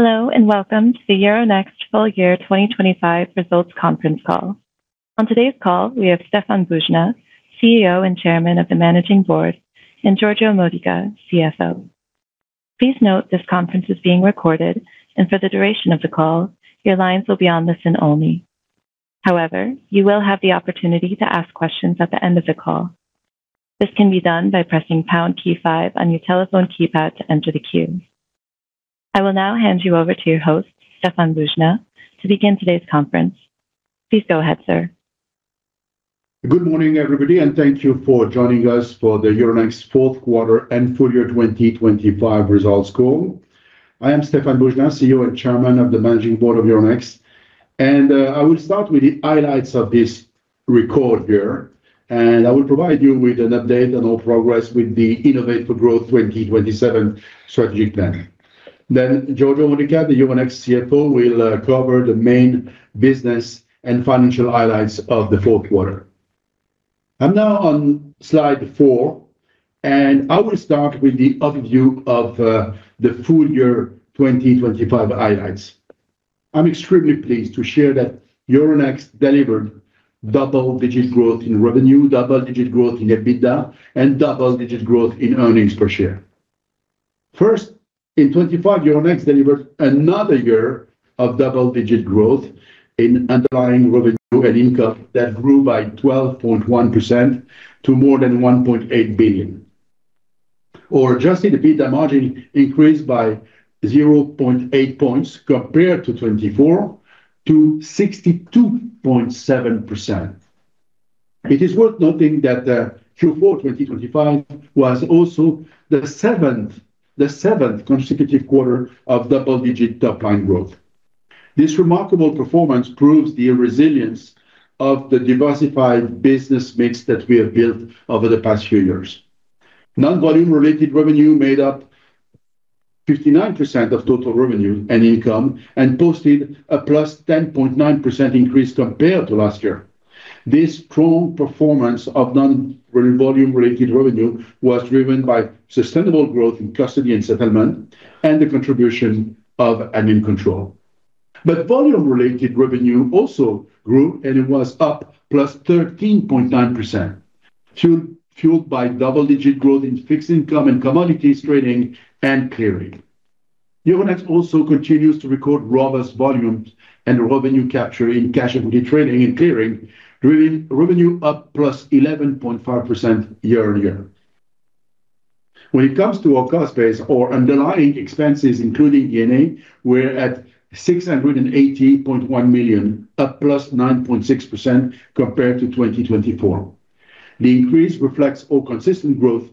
Hello, and welcome to the Euronext Full Year 2025 Results Conference Call. On today's call, we have Stéphane Boujnah, CEO and Chairman of the Managing Board, and Giorgio Modica, CFO. Please note, this conference is being recorded, and for the duration of the call, your lines will be on listen-only. However, you will have the opportunity to ask questions at the end of the call. This can be done by pressing pound key five on your telephone keypad to enter the queue. I will now hand you over to your host, Stéphane Boujnah, to begin today's conference. Please go ahead, sir. Good morning, everybody, and thank you for joining us for the Euronext fourth quarter and full year 2025 results call. I am Stéphane Boujnah, CEO and chairman of the Managing Board of Euronext, and, I will start with the highlights of this record year, and I will provide you with an update on our progress with the Innovate for Growth 2027 strategic plan. Then Giorgio Modica, the Euronext CFO, will, cover the main business and financial highlights of the fourth quarter. I'm now on slide 4, and I will start with the overview of, the full year 2025 highlights. I'm extremely pleased to share that Euronext delivered double-digit growth in revenue, double-digit growth in EBITDA, and double-digit growth in earnings per share. First, in 2025, Euronext delivered another year of double-digit growth in underlying revenue and income that grew by 12.1% to more than 1.8 billion. Our adjusted EBITDA margin increased by 0.8 points compared to 2024 to 62.7%. It is worth noting that Q4 2025 was also the seventh, the seventh consecutive quarter of double-digit top-line growth. This remarkable performance proves the resilience of the diversified business mix that we have built over the past few years. Non-volume related revenue made up 59% of total revenue and income, and posted a +10.9% increase compared to last year. This strong performance of non-volume-related revenue was driven by sustainable growth in custody and settlement and the contribution of Admincontrol. But volume-related revenue also grew, and it was up +13.9%, fueled by double-digit growth in fixed income and commodities trading and clearing. Euronext also continues to record robust volumes and revenue capture in cash equity trading and clearing, driving revenue up +11.5% year-on-year. When it comes to our cost base or underlying expenses, including G&A, we're at 680.1 million, up +9.6% compared to 2024. The increase reflects our consistent growth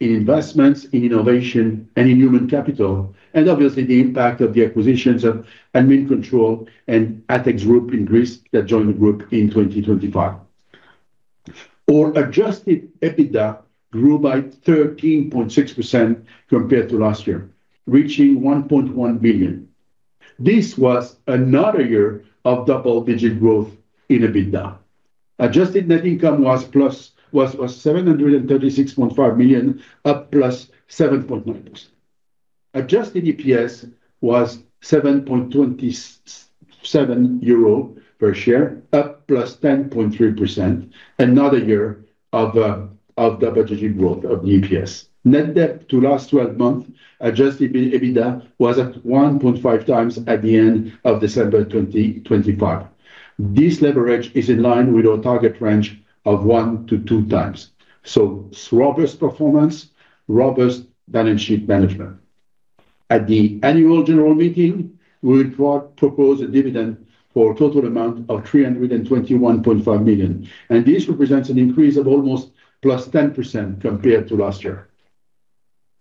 in investments, in innovation, and in human capital, and obviously the impact of the acquisitions of Admincontrol and ATHEX Group in Greece that joined the group in 2025. Our adjusted EBITDA grew by 13.6% compared to last year, reaching 1.1 billion. This was another year of double-digit growth in EBITDA. Adjusted net income was 736.5 million, up +7.9%. Adjusted EPS was 7.27 euro per share, up +10.3%. Another year of double-digit growth of the EPS. Net debt to last twelve months adjusted EBITDA was at 1.5x at the end of December 2025. This leverage is in line with our target range of 1x-2x. So robust performance, robust balance sheet management. At the annual general meeting, we will propose a dividend for a total amount of 321.5 million, and this represents an increase of almost +10% compared to last year.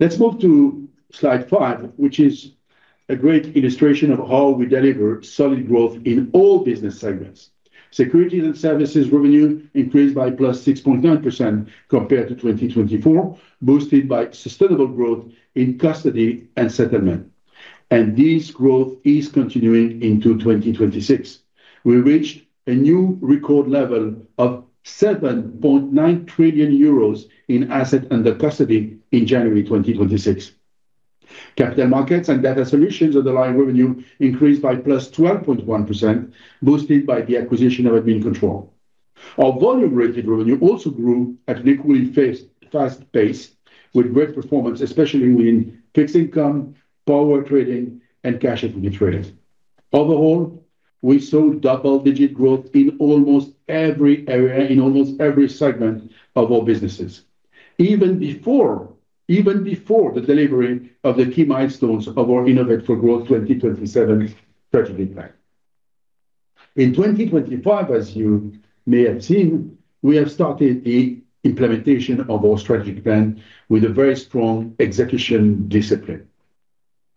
Let's move to slide 5, which is a great illustration of how we deliver solid growth in all business segments. Securities and services revenue increased by +6.9% compared to 2024, boosted by sustainable growth in custody and settlement, and this growth is continuing into 2026. We reached a new record level of 7.9 trillion euros in asset under custody in January 2026. Capital markets and data solutions underlying revenue increased by +12.1%, boosted by the acquisition of Admincontrol. Our volume-related revenue also grew at an equally fast pace, with great performance, especially in fixed income, power trading, and cash equity trading. Overall, we saw double-digit growth in almost every area, in almost every segment of our businesses, even before, even before the delivery of the key milestones of our Innovate for Growth 2027 strategic plan. In 2025, as you may have seen, we have started the implementation of our strategic plan with a very strong execution discipline.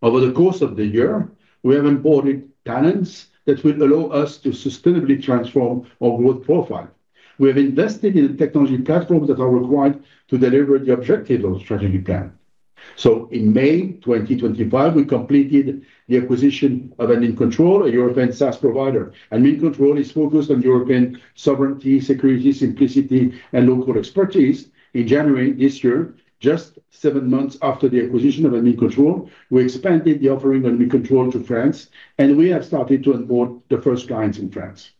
Over the course of the year, we have onboarded talents that will allow us to sustainably transform our growth profile. We have invested in the technology platforms that are required to deliver the objective of strategic plan. In May 2025, we completed the acquisition of Admincontrol, a European SaaS provider. Admincontrol is focused on European sovereignty, security, simplicity, and local expertise. In January this year, just 7 months after the acquisition of Admincontrol, we expanded the offering of Admincontrol to France, and we have started to onboard the first clients in France.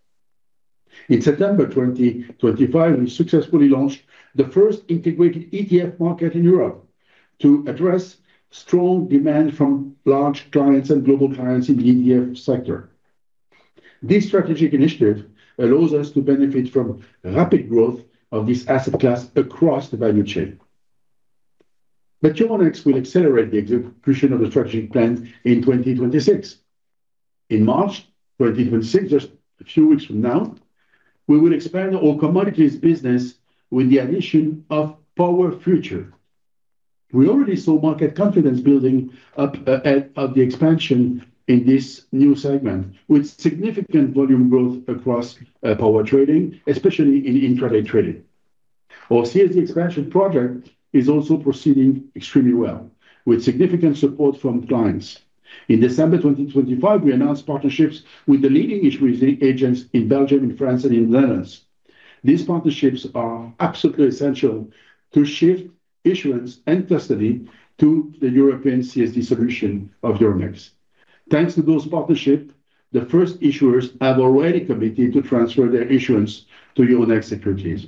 In September 2025, we successfully launched the first integrated ETF market in Europe to address strong demand from large clients and global clients in the ETF sector. This strategic initiative allows us to benefit from rapid growth of this asset class across the value chain. But Euronext will accelerate the execution of the strategic plan in 2026. In March 2026, just a few weeks from now, we will expand our commodities business with the addition of power future. We already saw market confidence building up ahead of the expansion in this new segment, with significant volume growth across power trading, especially in intraday trading. Our CSD expansion project is also proceeding extremely well, with significant support from clients. In December 2025, we announced partnerships with the leading issuing agents in Belgium, in France, and in the Netherlands. These partnerships are absolutely essential to shift issuance and custody to the European CSD solution of Euronext. Thanks to those partnerships, the first issuers have already committed to transfer their issuance to Euronext Securities.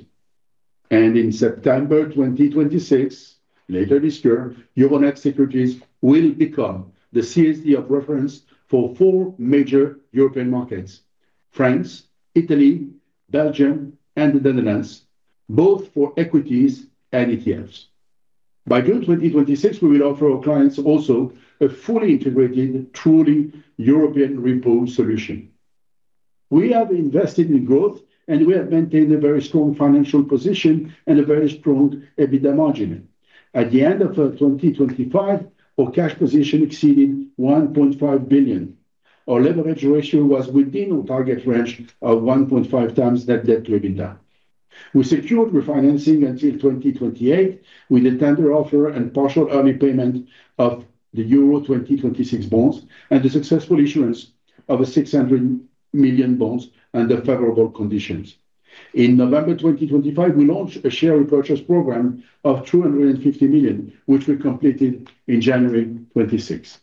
In September 2026, later this year, Euronext Securities will become the CSD of reference for four major European markets: France, Italy, Belgium, and the Netherlands, both for equities and ETFs. By June 2026, we will offer our clients also a fully integrated, truly European repo solution. We have invested in growth, and we have maintained a very strong financial position and a very strong EBITDA margin. At the end of 2025, our cash position exceeded 1.5 billion. Our leverage ratio was within our target range of 1.5x net debt to EBITDA. We secured refinancing until 2028 with a tender offer and partial early payment of the euro 2026 bonds, and the successful issuance of a 600 million bonds under favorable conditions. In November 2025, we launched a share repurchase program of 250 million, which we completed in January 2026.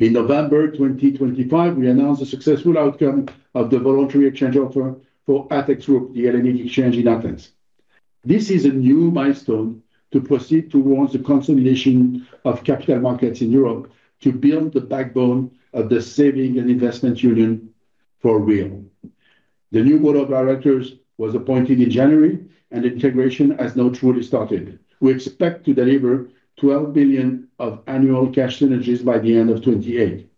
In November 2025, we announced the successful outcome of the voluntary exchange offer for ATHEX Group, the Hellenic Exchange in Athens. This is a new milestone to proceed towards the consolidation of capital markets in Europe to build the backbone of the saving and investment union for real. The new board of directors was appointed in January, and integration has now truly started. We expect to deliver 12 billion of annual cash synergies by the end of 2028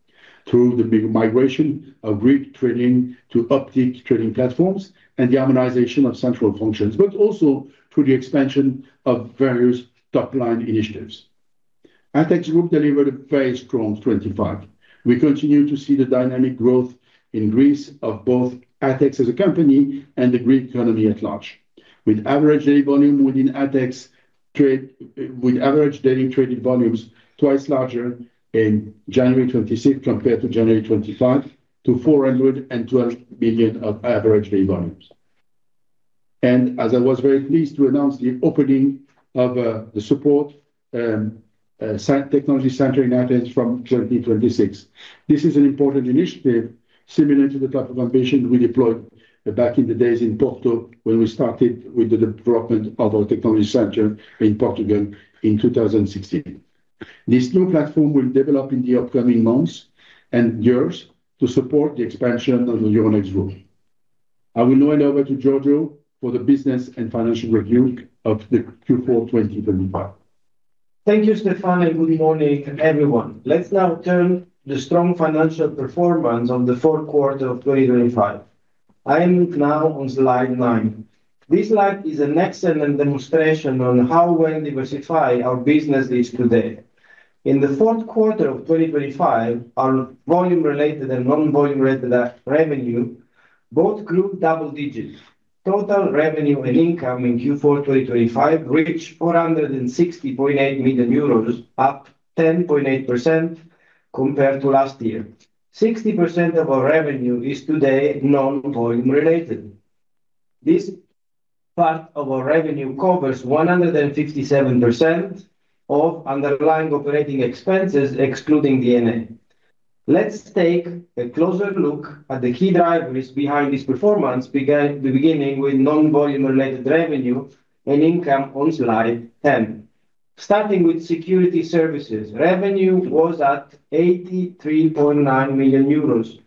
through the big migration of Greek trading to Optiq trading platforms and the harmonization of central functions, but also through the expansion of various top-line initiatives. ATHEX Group delivered a very strong 2025. We continue to see the dynamic growth in Greece of both ATHEX as a company and the Greek economy at large, with average daily volume within ATHEX trade, with average daily traded volumes twice larger in January 2026 compared to January 2025, to 412 billion of average daily volumes. As I was very pleased to announce the opening of the support technology center in Athens from 2026. This is an important initiative, similar to the type of ambition we deployed back in the days in Porto, when we started with the development of our technology center in Portugal in 2016. This new platform will develop in the upcoming months and years to support the expansion of the Euronext Group. I will now hand over to Giorgio for the business and financial review of the Q4 2025. Thank you, Stefan, and good morning, everyone. Let's now turn the strong financial performance on the fourth quarter of 2025. I am now on slide 9. This slide is an excellent demonstration on how well diversified our business is today. In the fourth quarter of 2025, our volume-related and non-volume-related revenue both grew double digits. Total revenue and income in Q4 2025 reached 460.8 million euros, up 10.8% compared to last year. 60% of our revenue is today non-volume related. This part of our revenue covers 157% of underlying operating expenses, excluding D&A. Let's take a closer look at the key drivers behind this performance, beginning with non-volume-related revenue and income on slide 10. Starting with security services, revenue was at 83.9 million euros,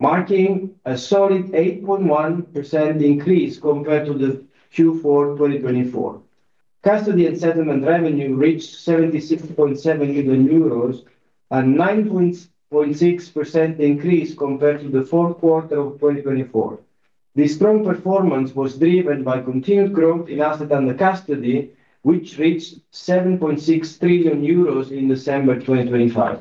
marking a solid 8.1% increase compared to the Q4 2024. Custody and settlement revenue reached 76.7 million euros, a 9.6% increase compared to the fourth quarter of 2024. This strong performance was driven by continued growth in assets under custody, which reached 7.6 trillion euros in December 2025.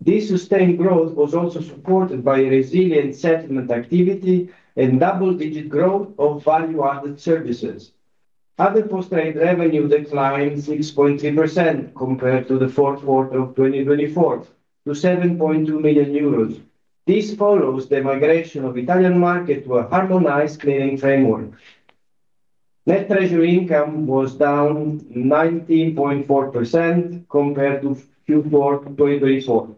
This sustained growth was also supported by a resilient settlement activity and double-digit growth of value-added services. Other post trade revenue declined 6.3% compared to the fourth quarter of 2024, to 7.2 million euros. This follows the migration of Italian market to a harmonized clearing framework. Net treasury income was down 19.4% compared to Q4 2024.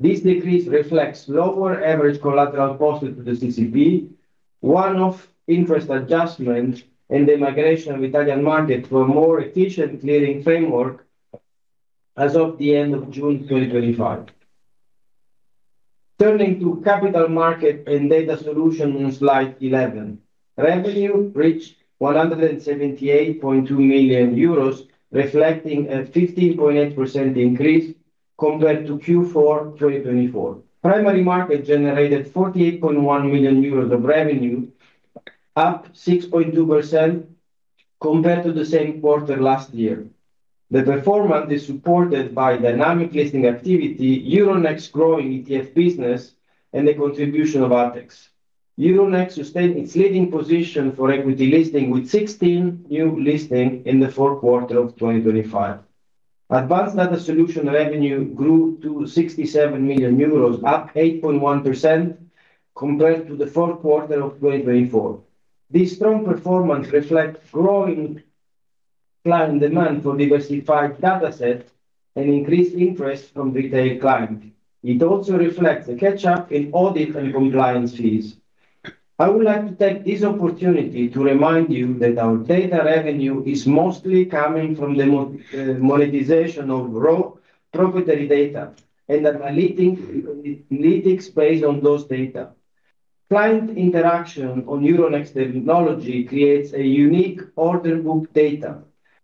This decrease reflects lower average collateral posted to the CCP, one-off interest adjustment, and the migration of Italian market to a more efficient clearing framework as of the end of June 2025. Turning to capital market and data solution on slide 11. Revenue reached 178.2 million euros, reflecting a 15.8% increase compared to Q4 2024. Primary market generated 48.1 million euros of revenue, up 6.2% compared to the same quarter last year. The performance is supported by dynamic listing activity, Euronext's growing ETF business, and the contribution of ATHEX. Euronext sustained its leading position for equity listing with 16 new listing in the fourth quarter of 2025. Advanced Data Solution revenue grew to 67 million euros, up 8.1% compared to the fourth quarter of 2024. This strong performance reflects growing client demand for diversified dataset and increased interest from retail client. It also reflects a catch-up in audit and compliance fees. I would like to take this opportunity to remind you that our data revenue is mostly coming from the monetization of proprietary data and analytics, analytics based on those data. Client interaction on Euronext technology creates a unique order book data.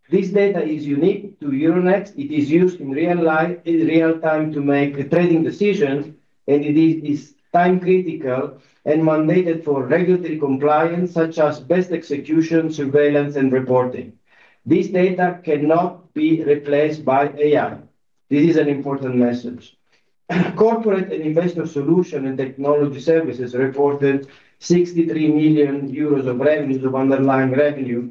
This data is unique to Euronext. It is used in real time to make trading decisions, and it is time-critical and mandated for regulatory compliance, such as best execution, surveillance, and reporting. This data cannot be replaced by AI. This is an important message. Corporate and investor solution and technology services reported 63 million euros of revenues, of underlying revenue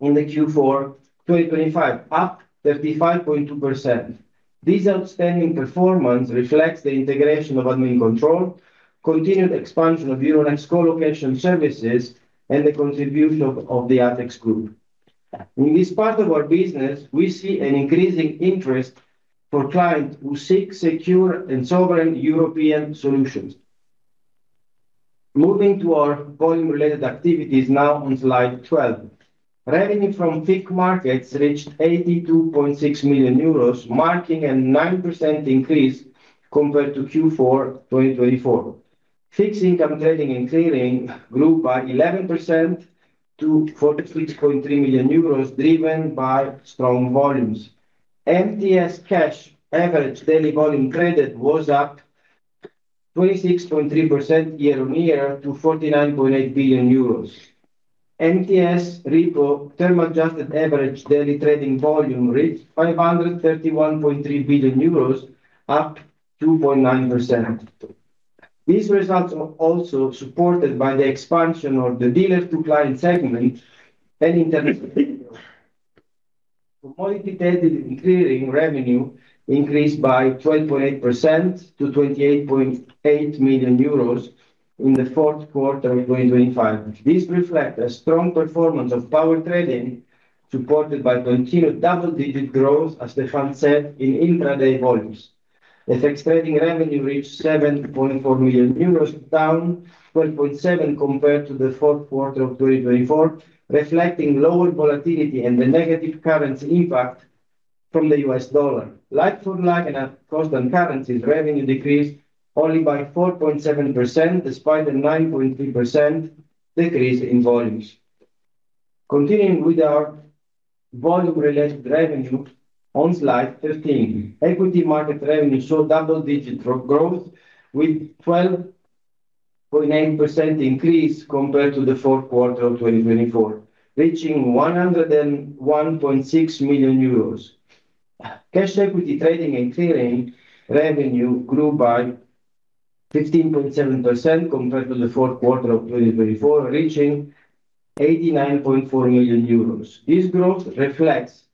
in the Q4 2025, up 35.2%. This outstanding performance reflects the integration of Admincontrol, continued expansion of Euronext co-location services, and the contribution of the ATHEX Group. In this part of our business, we see an increasing interest for clients who seek secure and sovereign European solutions. Moving to our volume-related activities now on slide 12. Revenue from FIC markets reached 82.6 million euros, marking a 9% increase compared to Q4 2024. Fixed income trading and clearing grew by 11% to 43.3 million euros, driven by strong volumes. MTS cash average daily volume traded was up 26.3% year-on-year to 49.8 billion euros. MTS repo term adjusted average daily trading volume reached 531.3 billion euros, up 2.9%. These results are also supported by the expansion of the dealer-to-client segment and, in terms of commodity clearing revenue, increased by 12.8% to 28.8 million euros in the fourth quarter of 2025. This reflect a strong performance of power trading, supported by continued double-digit growth, as Stéphane said, in intraday volumes. FX trading revenue reached 7.4 million euros, down 12.7% compared to the fourth quarter of 2024, reflecting lower volatility and the negative currency impact from the US dollar. Like-for-like and at constant currencies, revenue decreased only by 4.7%, despite a 9.3% decrease in volumes. Continuing with our volume-related revenue on slide 13. Equity market revenue saw double-digit growth, with 12.9% increase compared to the fourth quarter of 2024, reaching 101.6 million euros. Cash equity trading and clearing revenue grew by 15.7% compared to the fourth quarter of 2024, reaching 89.4 million euros. This growth reflects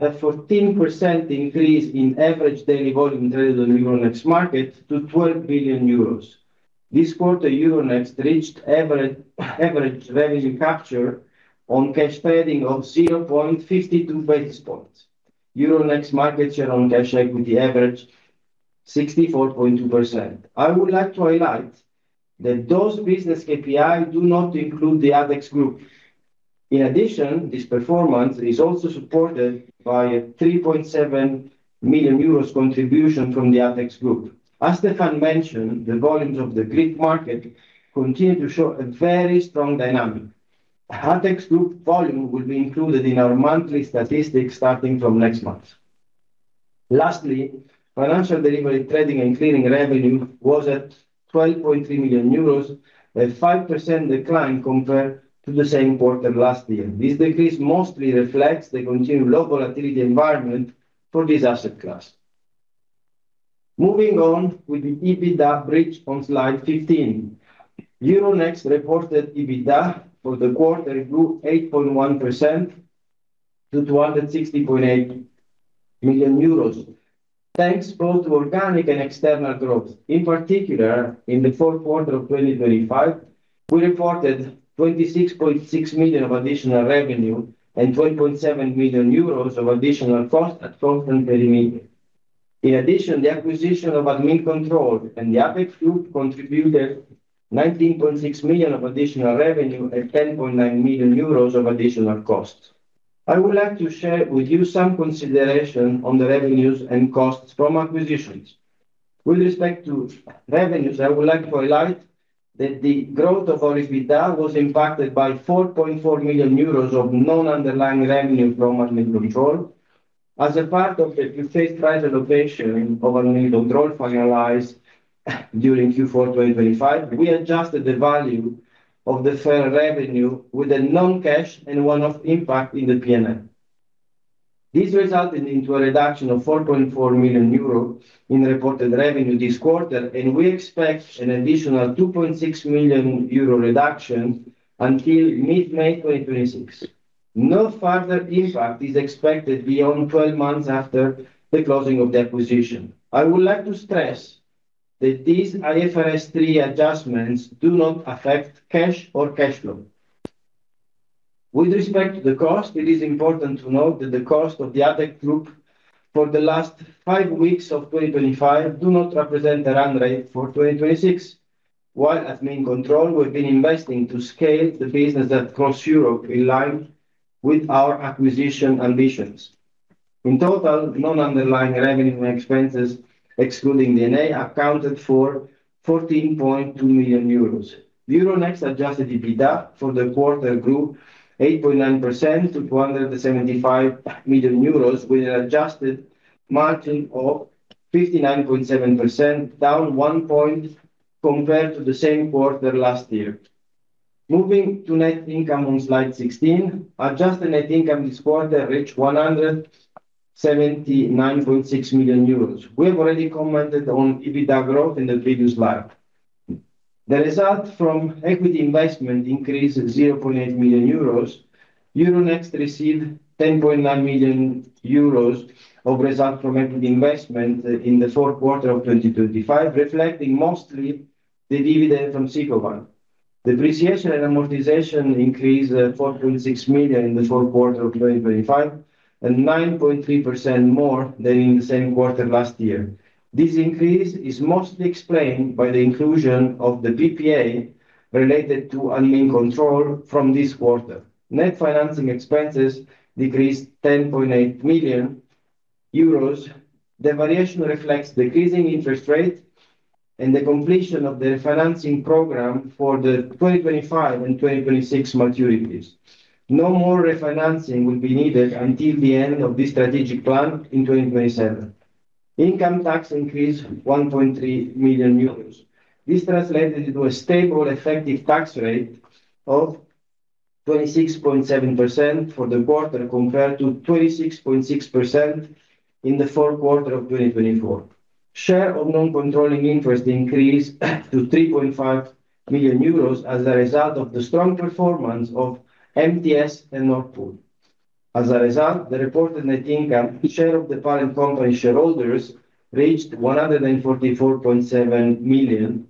a 14% increase in average daily volume traded on Euronext market to 12 billion euros. This quarter, Euronext reached average revenue capture on cash trading of 0.52 basis points. Euronext market share on cash equity, average 64.2%. I would like to highlight that those business KPI do not include the ATHEX Group. In addition, this performance is also supported by a 3.7 million euros contribution from the ATHEX Group. As Stéphane mentioned, the volumes of the Greek market continue to show a very strong dynamic. ATHEX Group volume will be included in our monthly statistics starting from next month. Lastly, financial delivery, trading, and clearing revenue was at 12.3 million euros, a 5% decline compared to the same quarter last year. This decrease mostly reflects the continued low volatility environment for this asset class. Moving on with the EBITDA bridge on slide 15. Euronext reported EBITDA for the quarter grew 8.1% to 260.8 million euros, thanks both to organic and external growth. In particular, in the fourth quarter of 2025, we reported 26.6 million of additional revenue and 20.7 million euros of additional cost at constant perimeter. In addition, the acquisition of Admincontrol and the ATHEX Group contributed 19.6 million of additional revenue and 10.9 million euros of additional costs. I would like to share with you some consideration on the revenues and costs from acquisitions. With respect to revenues, I would like to highlight that the growth of our EBITDA was impacted by 4.4 million euros of non-underlying revenue from Admincontrol. As a part of the purchase price allocation of Admincontrol finalized during Q4 2025, we adjusted the fair value of the revenue with a non-cash and one-off impact in the P&L. This resulted into a reduction of 4.4 million euro in reported revenue this quarter, and we expect an additional 2.6 million euro reduction until mid-May 2026. No further impact is expected beyond 12 months after the closing of the acquisition. I would like to stress that these IFRS 3 adjustments do not affect cash or cash flow. With respect to the cost, it is important to note that the cost of the ATHEX Group for the last 5 weeks of 2025 do not represent the run rate for 2026. While Admincontrol, we've been investing to scale the business across Europe in line with our acquisition ambitions. In total, non-underlying revenue and expenses, excluding D&A, accounted for 14.2 million euros. Euronext adjusted EBITDA for the quarter grew 8.9% to 275 million euros, with an adjusted margin of 59.7%, down 1 point compared to the same quarter last year. Moving to net income on slide 16, adjusted net income this quarter reached 179.6 million euros. We have already commented on EBITDA growth in the previous slide. The result from equity investment increased 0.8 million euros. Euronext received 10.9 million euros of result from equity investment in the fourth quarter of 2025, reflecting mostly the dividend from Sicovam. Depreciation and amortization increased four point six million in the fourth quarter of 2025, and 9.3% more than in the same quarter last year. This increase is mostly explained by the inclusion of the PPA related to Admincontrol from this quarter. Net financing expenses decreased 10.8 million euros. The variation reflects decreasing interest rate and the completion of the financing program for the 2025 and 2026 maturities. No more refinancing will be needed until the end of this strategic plan in 2027. Income tax increased 1.3 million euros. This translated into a stable effective tax rate of 26.7% for the quarter, compared to 26.6% in the fourth quarter of 2024. Share of non-controlling interest increased to 3.5 million euros as a result of the strong performance of MTS and Nordpool. As a result, the reported net income share of the parent company shareholders reached 144.7 million.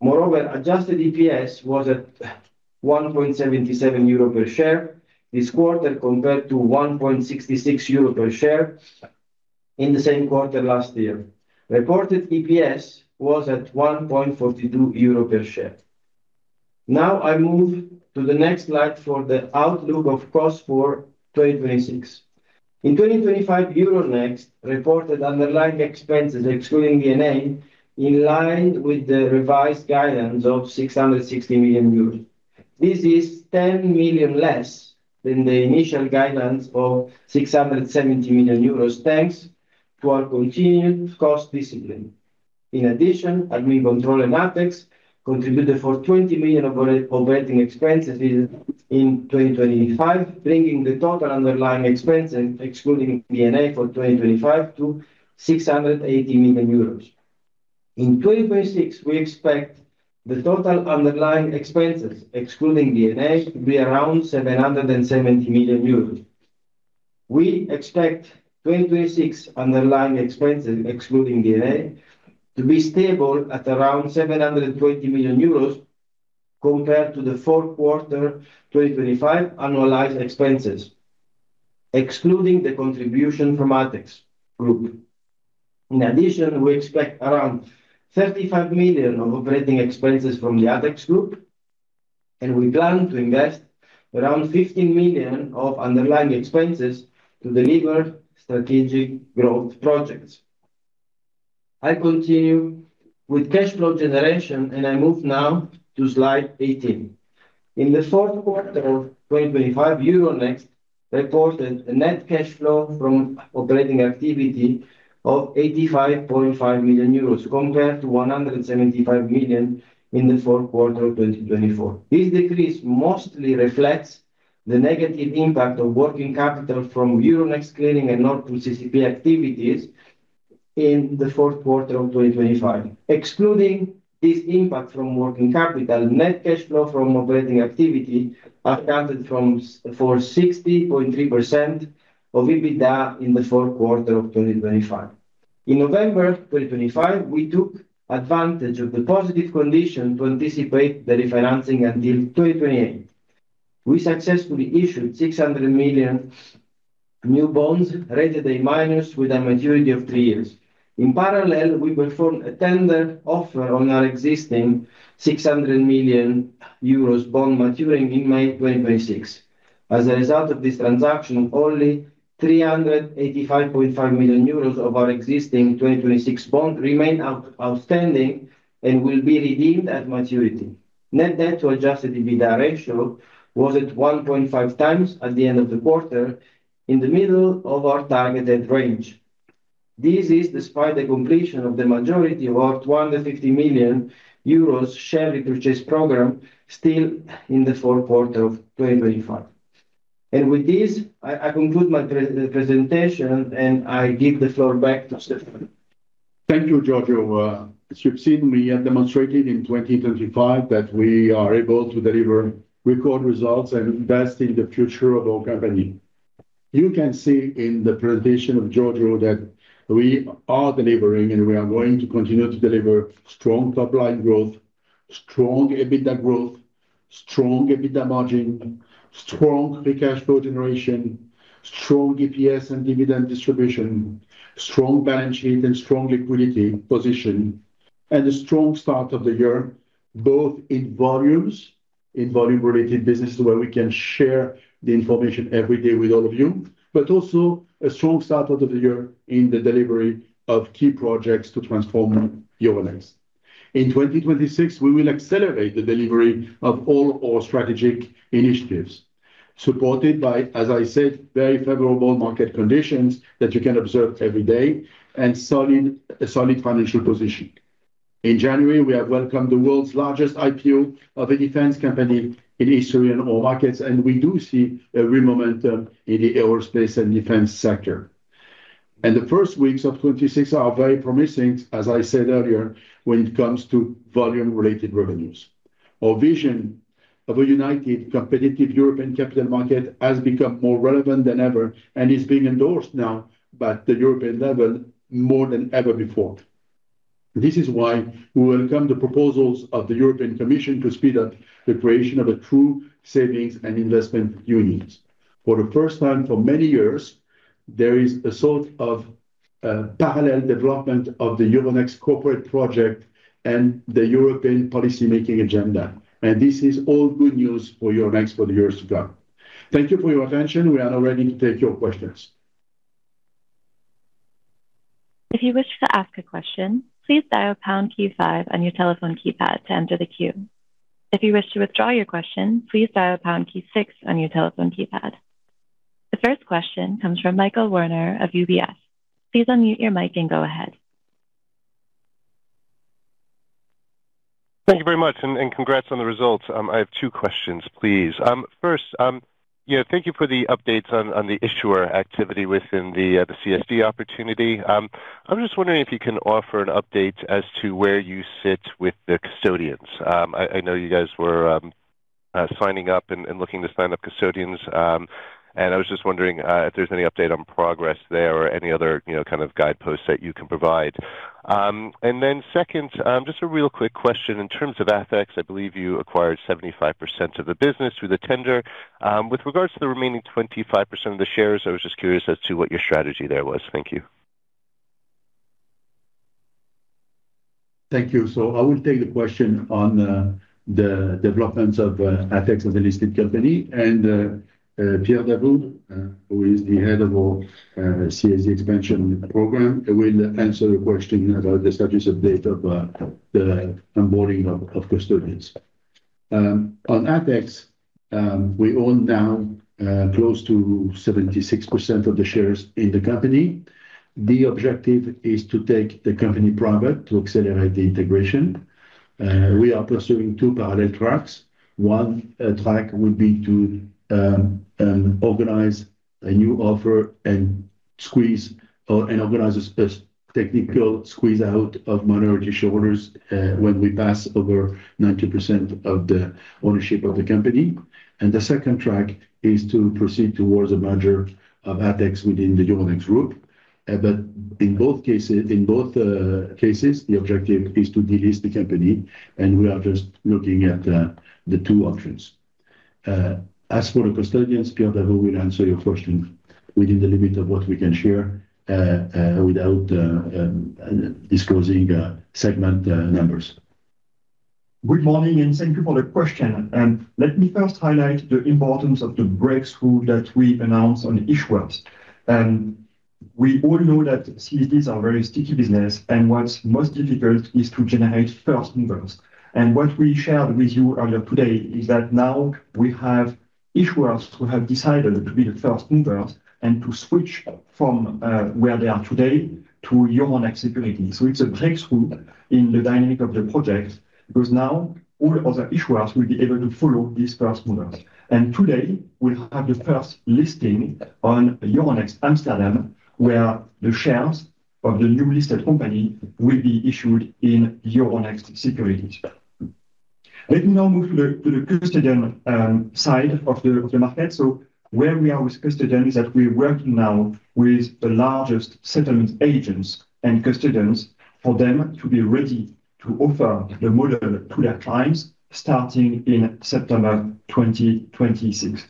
Moreover, adjusted EPS was at 1.77 euro per share this quarter, compared to 1.66 euro per share in the same quarter last year. Reported EPS was at 1.42 euro per share. Now I move to the next slide for the outlook of costs for 2026. In 2025, Euronext reported underlying expenses, excluding D&A, in line with the revised guidance of 660 million euros. This is 10 million less than the initial guidance of 670 million euros, thanks to our continued cost discipline. In addition, Admincontrol and Appex contributed 20 million of operating expenses in 2025, bringing the total underlying expenses, excluding D&A, for 2025 to 680 million euros. In 2026, we expect the total underlying expenses, excluding D&A, to be around 770 million euros. We expect 2026 underlying expenses, excluding D&A, to be stable at around 720 million euros compared to the fourth quarter 2025 annualized expenses, excluding the contribution from ATHEX Group. In addition, we expect around 35 million of operating expenses from the ATHEX Group, and we plan to invest around 15 million of underlying expenses to deliver strategic growth projects. I continue with cash flow generation, and I move now to slide 18. In the fourth quarter of 2025, Euronext reported a net cash flow from operating activity of 85.5 million euros, compared to 175 million in the fourth quarter of 2024. This decrease mostly reflects the negative impact of working capital from Euronext Clearing and Nord Pool CCP activities in the fourth quarter of 2025. Excluding this impact from working capital, net cash flow from operating activity accounted for 60.3% of EBITDA in the fourth quarter of 2025. In November 2025, we took advantage of the positive condition to anticipate the refinancing until 2028. We successfully issued 600 million new bonds, rated A-, with a maturity of three years. In parallel, we performed a tender offer on our existing 600 million euros bond maturing in May 2026. As a result of this transaction, only 385.5 million euros of our existing 2026 bond remain outstanding and will be redeemed at maturity. Net debt to adjusted EBITDA ratio was at 1.5 times at the end of the quarter, in the middle of our targeted range. This is despite the completion of the majority of our 150 million euros share repurchase program, still in the fourth quarter of 2025. And with this, I conclude my presentation, and I give the floor back to Stéphane. Thank you, Giorgio. You've seen we have demonstrated in 2025 that we are able to deliver record results and invest in the future of our company. You can see in the presentation of Giorgio that we are delivering, and we are going to continue to deliver strong top-line growth, strong EBITDA growth, strong EBITDA margin, strong free cash flow generation, strong EPS and dividend distribution, strong balance sheet and strong liquidity position, and a strong start of the year, both in volumes, in volume-related business, where we can share the information every day with all of you, but also a strong start of the year in the delivery of key projects to transform Euronext. In 2026, we will accelerate the delivery of all our strategic initiatives, supported by, as I said, very favorable market conditions that you can observe every day and a solid financial position. In January, we have welcomed the world's largest IPO of a defense company in history and all markets, and we do see every momentum in the aerospace and defense sector. The first weeks of 2026 are very promising, as I said earlier, when it comes to volume-related revenues. Our vision of a united, competitive European capital market has become more relevant than ever and is being endorsed now by the European level more than ever before. This is why we welcome the proposals of the European Commission to speed up the creation of a true savings and investment union. For the first time in many years, there is a sort of, parallel development of the Euronext corporate project and the European policymaking agenda, and this is all good news for Euronext for the years to come. Thank you for your attention. We are now ready to take your questions. If you wish to ask a question, please dial pound key five on your telephone keypad to enter the queue. If you wish to withdraw your question, please dial pound key six on your telephone keypad. The first question comes from Michael Werner of UBS. Please unmute your mic and go ahead. Thank you very much and congrats on the results. I have 2 questions, please. First, you know, thank you for the updates on the issuer activity within the CSD opportunity. I'm just wondering if you can offer an update as to where you sit with the custodians. I know you guys were signing up and looking to sign up custodians, and I was just wondering if there's any update on progress there or any other, you know, kind of guideposts that you can provide. And then second, just a real quick question. In terms of ATHEX, I believe you acquired 75% of the business through the tender. With regards to the remaining 25% of the shares, I was just curious as to what your strategy there was. Thank you. Thank you. So I will take the question on the developments of ATHEX as a listed company, and Pierre Davoust, who is the head of our CSD expansion program, will answer the question about the status update of the onboarding of custodians. On ATHEX, we own now close to 76% of the shares in the company. The objective is to take the company private to accelerate the integration. We are pursuing two parallel tracks. One track would be to organize a new offer and squeeze or and organize a technical squeeze out of minority shareholders when we pass over 90% of the ownership of the company. And the second track is to proceed towards a merger of ATHEX within the Euronext Group. But in both cases, in both cases, the objective is to delist the company, and we are just looking at the two options. As for the custodians, Pierre Daboût will answer your question within the limit of what we can share, without disclosing segment numbers. Good morning, and thank you for the question. Let me first highlight the importance of the breakthrough that we announced on issuers. We all know that CSDs are very sticky business, and what's most difficult is to generate first movers. And what we shared with you earlier today is that now we have issuers who have decided to be the first movers and to switch from where they are today to Euronext Securities. So it's a breakthrough in the dynamic of the project, because now all other issuers will be able to follow these first movers. And today, we'll have the first listing on Euronext Amsterdam, where the shares of the new listed company will be issued in Euronext Securities.... Let me now move to the, to the custodian side of the market. So where we are with custodian is that we're working now with the largest settlement agents and custodians for them to be ready to offer the model to their clients, starting in September 2026.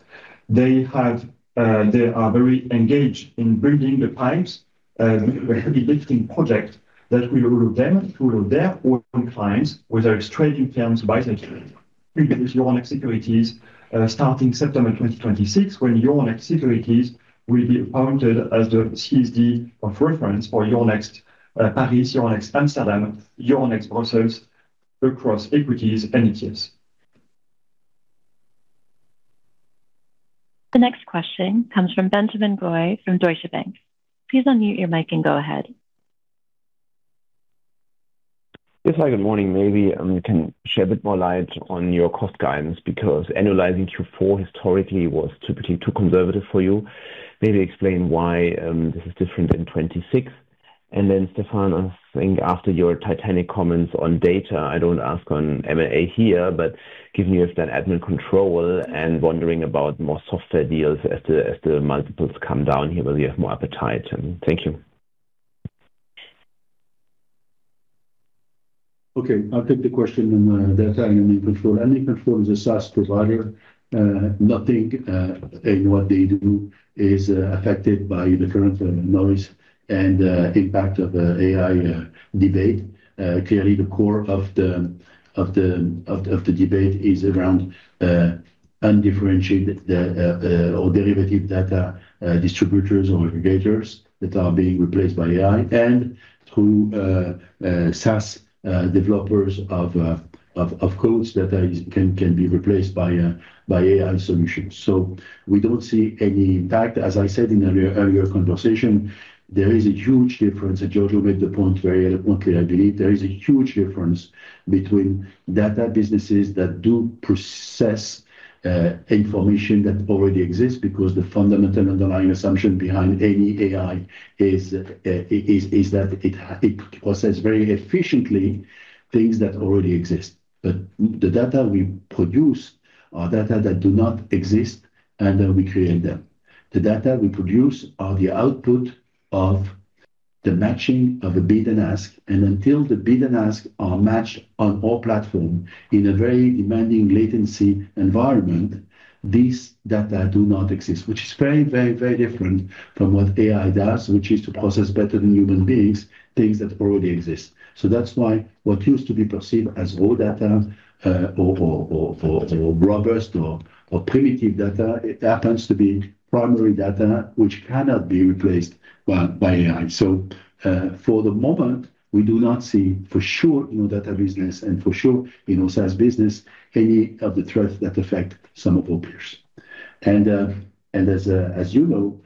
They have—they are very engaged in building the pipes, the heavy lifting project that will route them through their own clients, whether it's trading firms, buyers, Euronext Securities, starting September 2026, when Euronext Securities will be appointed as the CSD of reference for Euronext Paris, Euronext Amsterdam, Euronext Brussels, across equities and ETFs. The next question comes from Benjamin Goy from Deutsche Bank. Please unmute your mic and go ahead. Just like, good morning. Maybe, you can shed a bit more light on your cost guidance, because annualizing Q4 historically was typically too conservative for you. Maybe explain why, this is different in 2026. And then, Stefan, I think after your Titanic comments on data, I don't ask on M&A here, but given you have that Admincontrol and wondering about more software deals as the, as the multiples come down here, will you have more appetite? Thank you. Okay, I'll take the question on data and Admincontrol. Admincontrol is a SaaS provider. Nothing in what they do is affected by the current noise and impact of AI debate. Clearly, the core of the debate is around undifferentiated or derivative data distributors or aggregators that are being replaced by AI and through SaaS developers of codes that can be replaced by AI solutions. So we don't see any impact. As I said in earlier conversation, there is a huge difference, and Giorgio made the point very eloquently, I believe. There is a huge difference between data businesses that do process information that already exists, because the fundamental underlying assumption behind any AI is, is, is that it it processes very efficiently things that already exist. But the data we produce are data that do not exist, and, we create them. The data we produce are the output of the matching of the bid and ask, and until the bid and ask are matched on our platform in a very demanding latency environment, these data do not exist, which is very, very, very different from what AI does, which is to process better than human beings, things that already exist. So that's why what used to be perceived as raw data, or robust or primitive data, it happens to be primary data, which cannot be replaced by AI. So, for the moment, we do not see, for sure in our data business and for sure in our SaaS business, any of the threats that affect some of our peers. And as you know,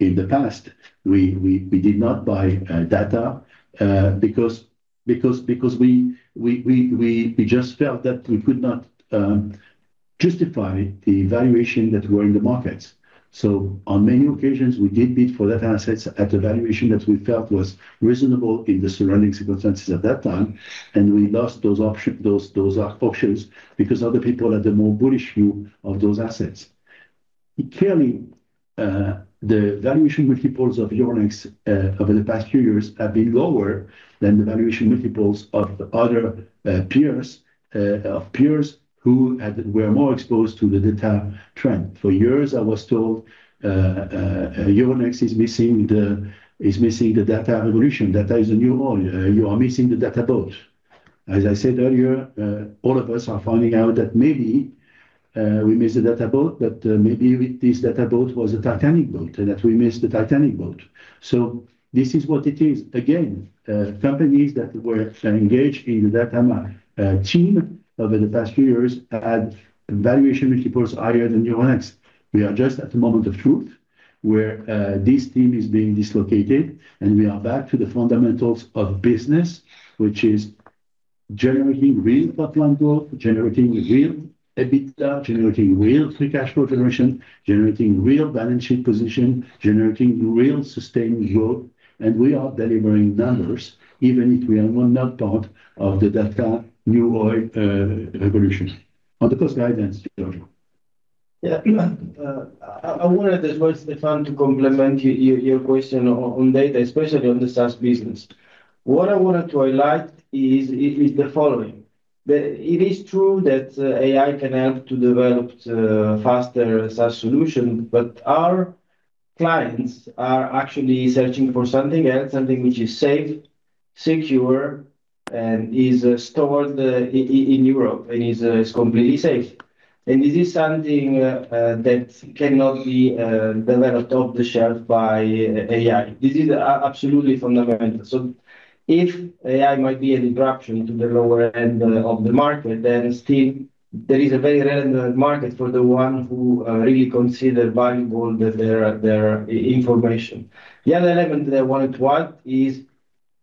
in the past, we did not buy data because we just felt that we could not justify the valuation that were in the markets. So on many occasions, we did bid for data assets at a valuation that we felt was reasonable in the surrounding circumstances at that time, and we lost those options because other people had a more bullish view of those assets. Clearly, the valuation multiples of Euronext over the past few years have been lower than the valuation multiples of other peers of peers who were more exposed to the data trend. For years, I was told, Euronext is missing the data revolution. Data is the new oil. You are missing the data boat. As I said earlier, all of us are finding out that maybe we missed the data boat, but maybe this data boat was a Titanic boat, and that we missed the Titanic boat. So this is what it is. Again, companies that were engaged in the data theme over the past few years had valuation multiples higher than Euronext. We are just at the moment of truth, where this team is being dislocated, and we are back to the fundamentals of business, which is generating real bottom line growth, generating real EBITDA, generating real free cash flow generation, generating real balance sheet position, generating real sustained growth. And we are delivering numbers, even if we are not part of the data new oil revolution. On the cost guidance, Giorgio. Yeah. I wanted as well, Stefan, to complement your question on data, especially on the SaaS business. What I wanted to highlight is the following: It is true that AI can help to develop faster SaaS solution, but our clients are actually searching for something else, something which is safe, secure, and is stored in Europe, and is completely safe. And this is something that cannot be developed off the shelf by AI. This is absolutely fundamental. So if AI might be a disruption to the lower end of the market, then still there is a very relevant market for the one who really consider valuable their information. The other element that I wanted to add is,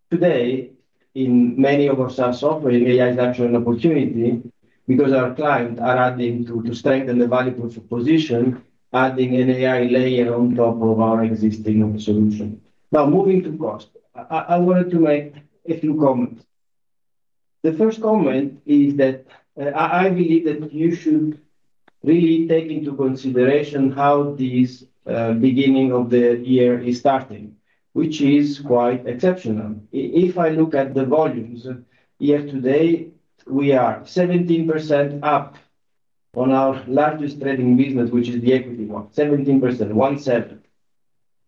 today, in many of our SaaS software, AI is actually an opportunity because our clients are adding to strengthen the value proposition, adding an AI layer on top of our existing solution. Now, moving to cost. I wanted to make a few comments. The first comment is that I believe that you should really take into consideration how this beginning of the year is starting, which is quite exceptional. If I look at the volumes year to date, we are 17% up on our largest trading business, which is the equity one, 17%, 17.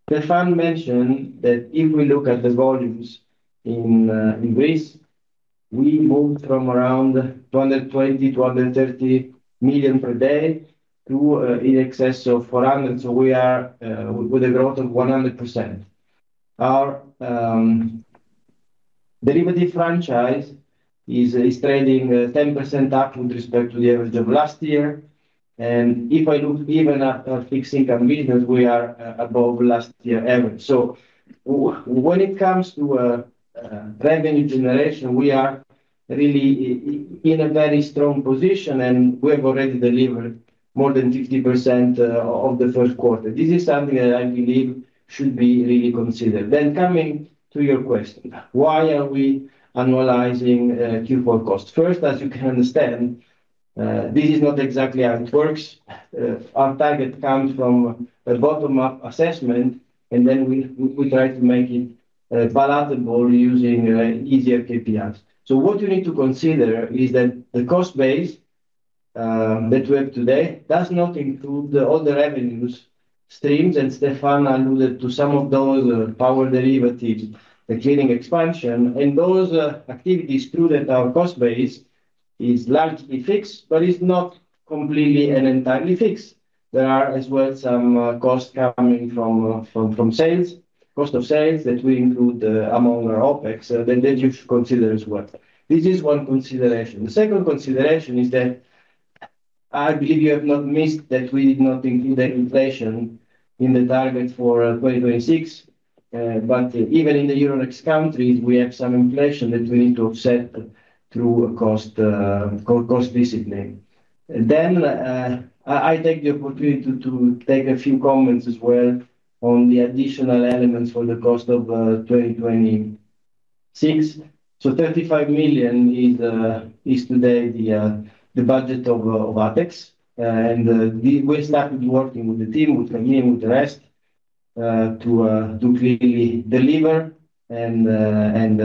Stéphane mentioned that if we look at the volumes in Greece, we moved from around 220 million to 230 million per day to in excess of 400 million. So we are with a growth of 100%. Our derivative franchise is trading 10% up with respect to the average of last year. And if I look even at our fixed income business, we are above last year average. So when it comes to revenue generation, we are really in a very strong position, and we have already delivered more than 50% of the first quarter. This is something that I believe should be really considered. Then coming to your question, why are we annualizing Q4 costs? First, as you can understand, this is not exactly how it works. Our target comes from a bottom-up assessment, and then we try to make it palatable using easier KPIs. So what you need to consider is that the cost base that we have today does not include all the revenues, streams, and Stefan alluded to some of those, power derivatives, the clearing expansion, and those activities, true, that our cost base is largely fixed, but it's not completely and entirely fixed. There are as well some costs coming from sales, cost of sales, that we include among our OpEx, so then you should consider as well. This is one consideration. The second consideration is that I believe you have not missed, that we did not include the inflation in the target for 2026. But even in the Euronext countries, we have some inflation that we need to offset through a cost discipline. I take the opportunity to take a few comments as well on the additional elements for the cost of 2026. So 35 million is today the budget of ATHEX. And we started working with the team, with Camille, with the rest, to clearly deliver and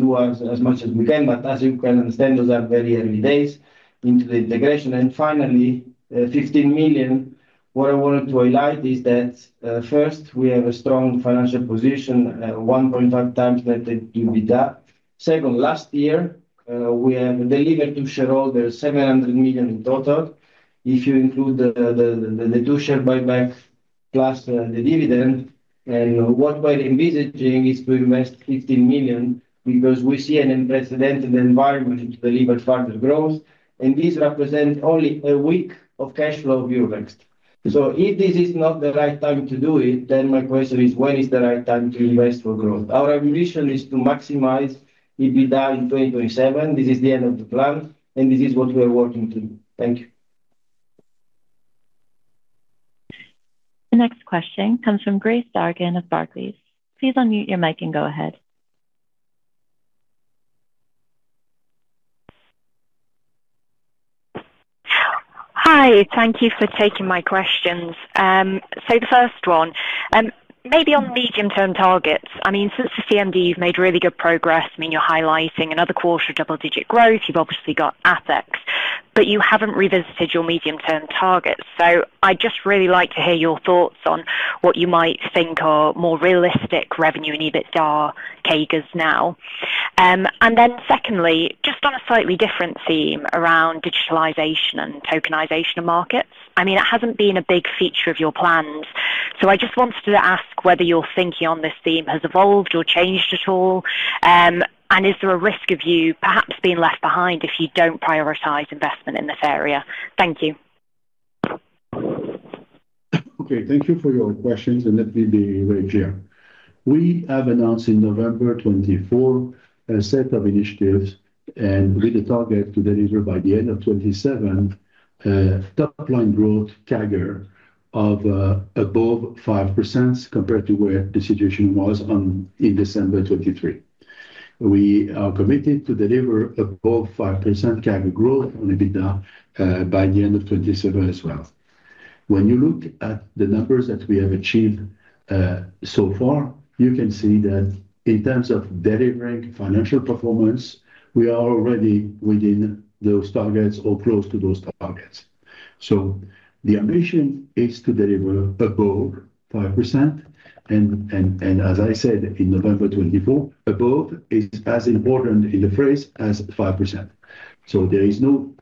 do as much as we can. But as you can understand, those are very early days into the integration. And finally, 15 million, what I wanted to highlight is that, first, we have a strong financial position, 1.5 times net EBITDA. Second, last year, we have delivered to shareholders 700 million in total. If you include the two share buyback, plus, the dividend, and what we're envisaging is to invest 15 million, because we see an unprecedented environment to deliver further growth, and this represents only a week of cash flow of Euronext. So if this is not the right time to do it, then my question is: When is the right time to invest for growth? Our ambition is to maximize EBITDA in 2027. This is the end of the plan, and this is what we are working to do. Thank you. The next question comes from Grace Dargan of Barclays. Please unmute your mic and go ahead. Hi, thank you for taking my questions. So the first one, maybe on medium-term targets, I mean, since the CMD, you've made really good progress. I mean, you're highlighting another quarter of double-digit growth. You've obviously got ATHEX, but you haven't revisited your medium-term targets. So I'd just really like to hear your thoughts on what you might think are more realistic revenue and EBITDA CAGRs now. And then secondly, just on a slightly different theme around digitalization and tokenization of markets, I mean, it hasn't been a big feature of your plans. So I just wanted to ask whether your thinking on this theme has evolved or changed at all, and is there a risk of you perhaps being left behind if you don't prioritize investment in this area? Thank you. Okay, thank you for your questions, and let me be very clear. We have announced in November 2024 a set of initiatives, and with a target to deliver by the end of 2027, top line growth CAGR of above 5% compared to where the situation was in December 2023. We are committed to deliver above 5% CAGR growth on EBITDA by the end of 2027 as well. When you look at the numbers that we have achieved so far, you can see that in terms of delivering financial performance, we are already within those targets or close to those targets. So the ambition is to deliver above 5%, and as I said, in November 2024, above is as important in the phrase as 5%. So there is no,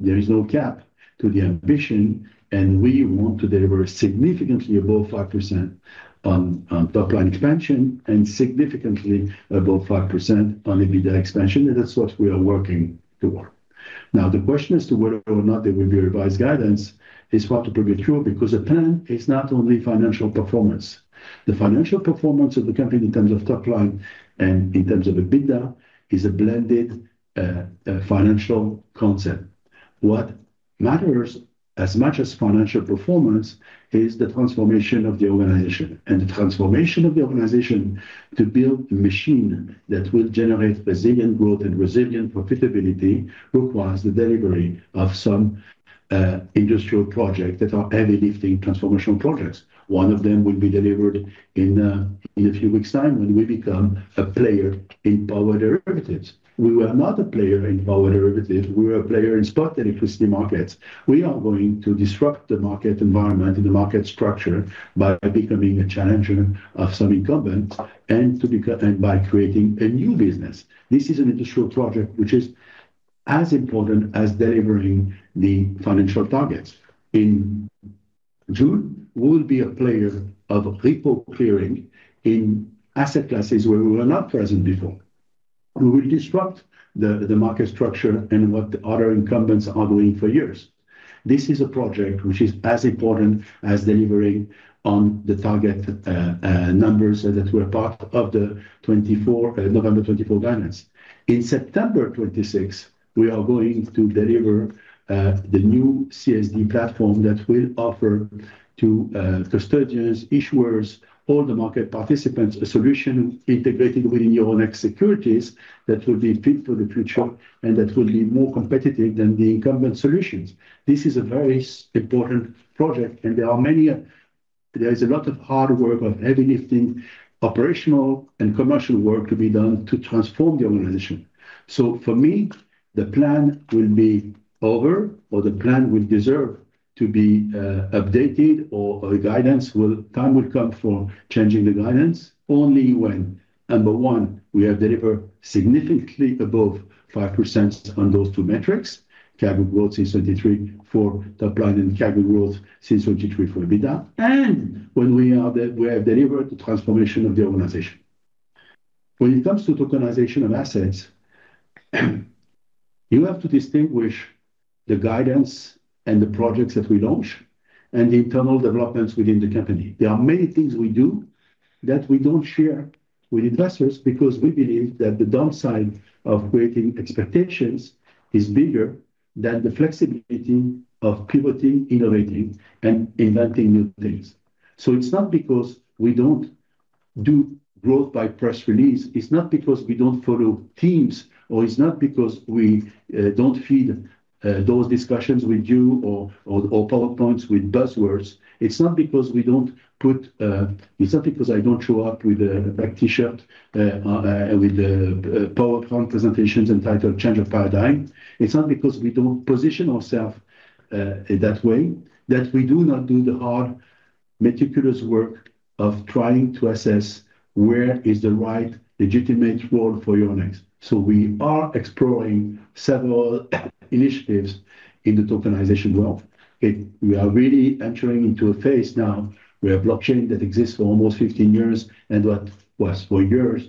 there is no cap to the ambition, and we want to deliver significantly above 5% on, on top line expansion and significantly above 5% on EBITDA expansion, and that's what we are working toward. Now, the question as to whether or not there will be a revised guidance is hard to predict truly, because the plan is not only financial performance. The financial performance of the company in terms of top line and in terms of EBITDA, is a blended financial concept. What matters as much as financial performance is the transformation of the organization, and the transformation of the organization to build a machine that will generate resilient growth and resilient profitability requires the delivery of some industrial projects that are heavy lifting transformational projects. One of them will be delivered in a few weeks' time when we become a player in power derivatives. We were not a player in power derivatives, we were a player in spot electricity markets. We are going to disrupt the market environment and the market structure by becoming a challenger of some incumbents, and by creating a new business. This is an industrial project which is as important as delivering the financial targets. In June, we'll be a player of repo clearing in asset classes where we were not present before. We will disrupt the market structure and what the other incumbents are doing for years. This is a project which is as important as delivering on the target numbers that were part of the 2024 November 2024 guidance. In September 26, we are going to deliver the new CSD platform that will offer to custodians, issuers, all the market participants, a solution integrated within Euronext Securities that will be fit for the future and that will be more competitive than the incumbent solutions. This is a very important project, and there is a lot of hard work of heavy lifting, operational and commercial work to be done to transform the organization. For me, the plan will be over, or the plan will deserve to be updated, or guidance will—time will come for changing the guidance only when, number one, we have delivered significantly above 5% on those two metrics, CAGR growth since 2023 for top line and CAGR growth since 2023 for EBITDA, and when we have delivered the transformation of the organization. When it comes to tokenization of assets, you have to distinguish the guidance and the projects that we launch and the internal developments within the company. There are many things we do that we don't share with investors because we believe that the downside of creating expectations is bigger than the flexibility of pivoting, innovating, and inventing new things. So it's not because we don't do growth by press release, it's not because we don't follow themes, or it's not because we don't feed those discussions with you or PowerPoints with buzzwords. It's not because we don't put... It's not because I don't show up with a black T-shirt with the PowerPoint presentations entitled "Change of Paradigm." It's not because we don't position ourself in that way that we do not do the hard, meticulous work of trying to assess where is the right legitimate world for Euronext. So we are exploring several initiatives in the tokenization world. We are really entering into a phase now where blockchain that exists for almost 15 years, and what was for years